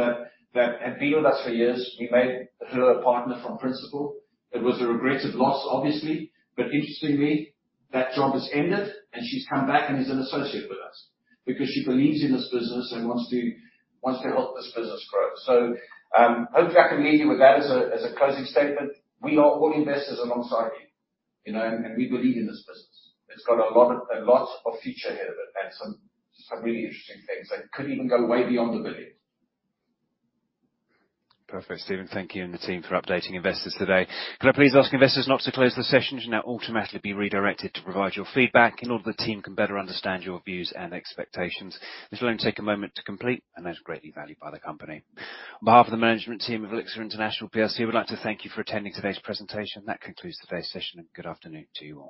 B: that had been with us for years. We made her a partner from principal. It was a regretted loss, obviously, but interestingly, that job has ended, and she's come back and is an associate with us because she believes in this business and wants to help this business grow. Hopefully, I can leave you with that as a closing statement. We are all investors alongside you, you know, and we believe in this business. It's got a lot of future ahead of it and some really interesting things that could even go way beyond the billion.
A: Perfect, Stephen. Thank you and the team for updating investors today. Could I please ask investors not to close the session? You'll now automatically be redirected to provide your feedback in order the team can better understand your views and expectations. This will only take a moment to complete and is greatly valued by the company. On behalf of the management team of Elixirr International PLC, we'd like to thank you for attending today's presentation. That concludes today's session, and good afternoon to you all.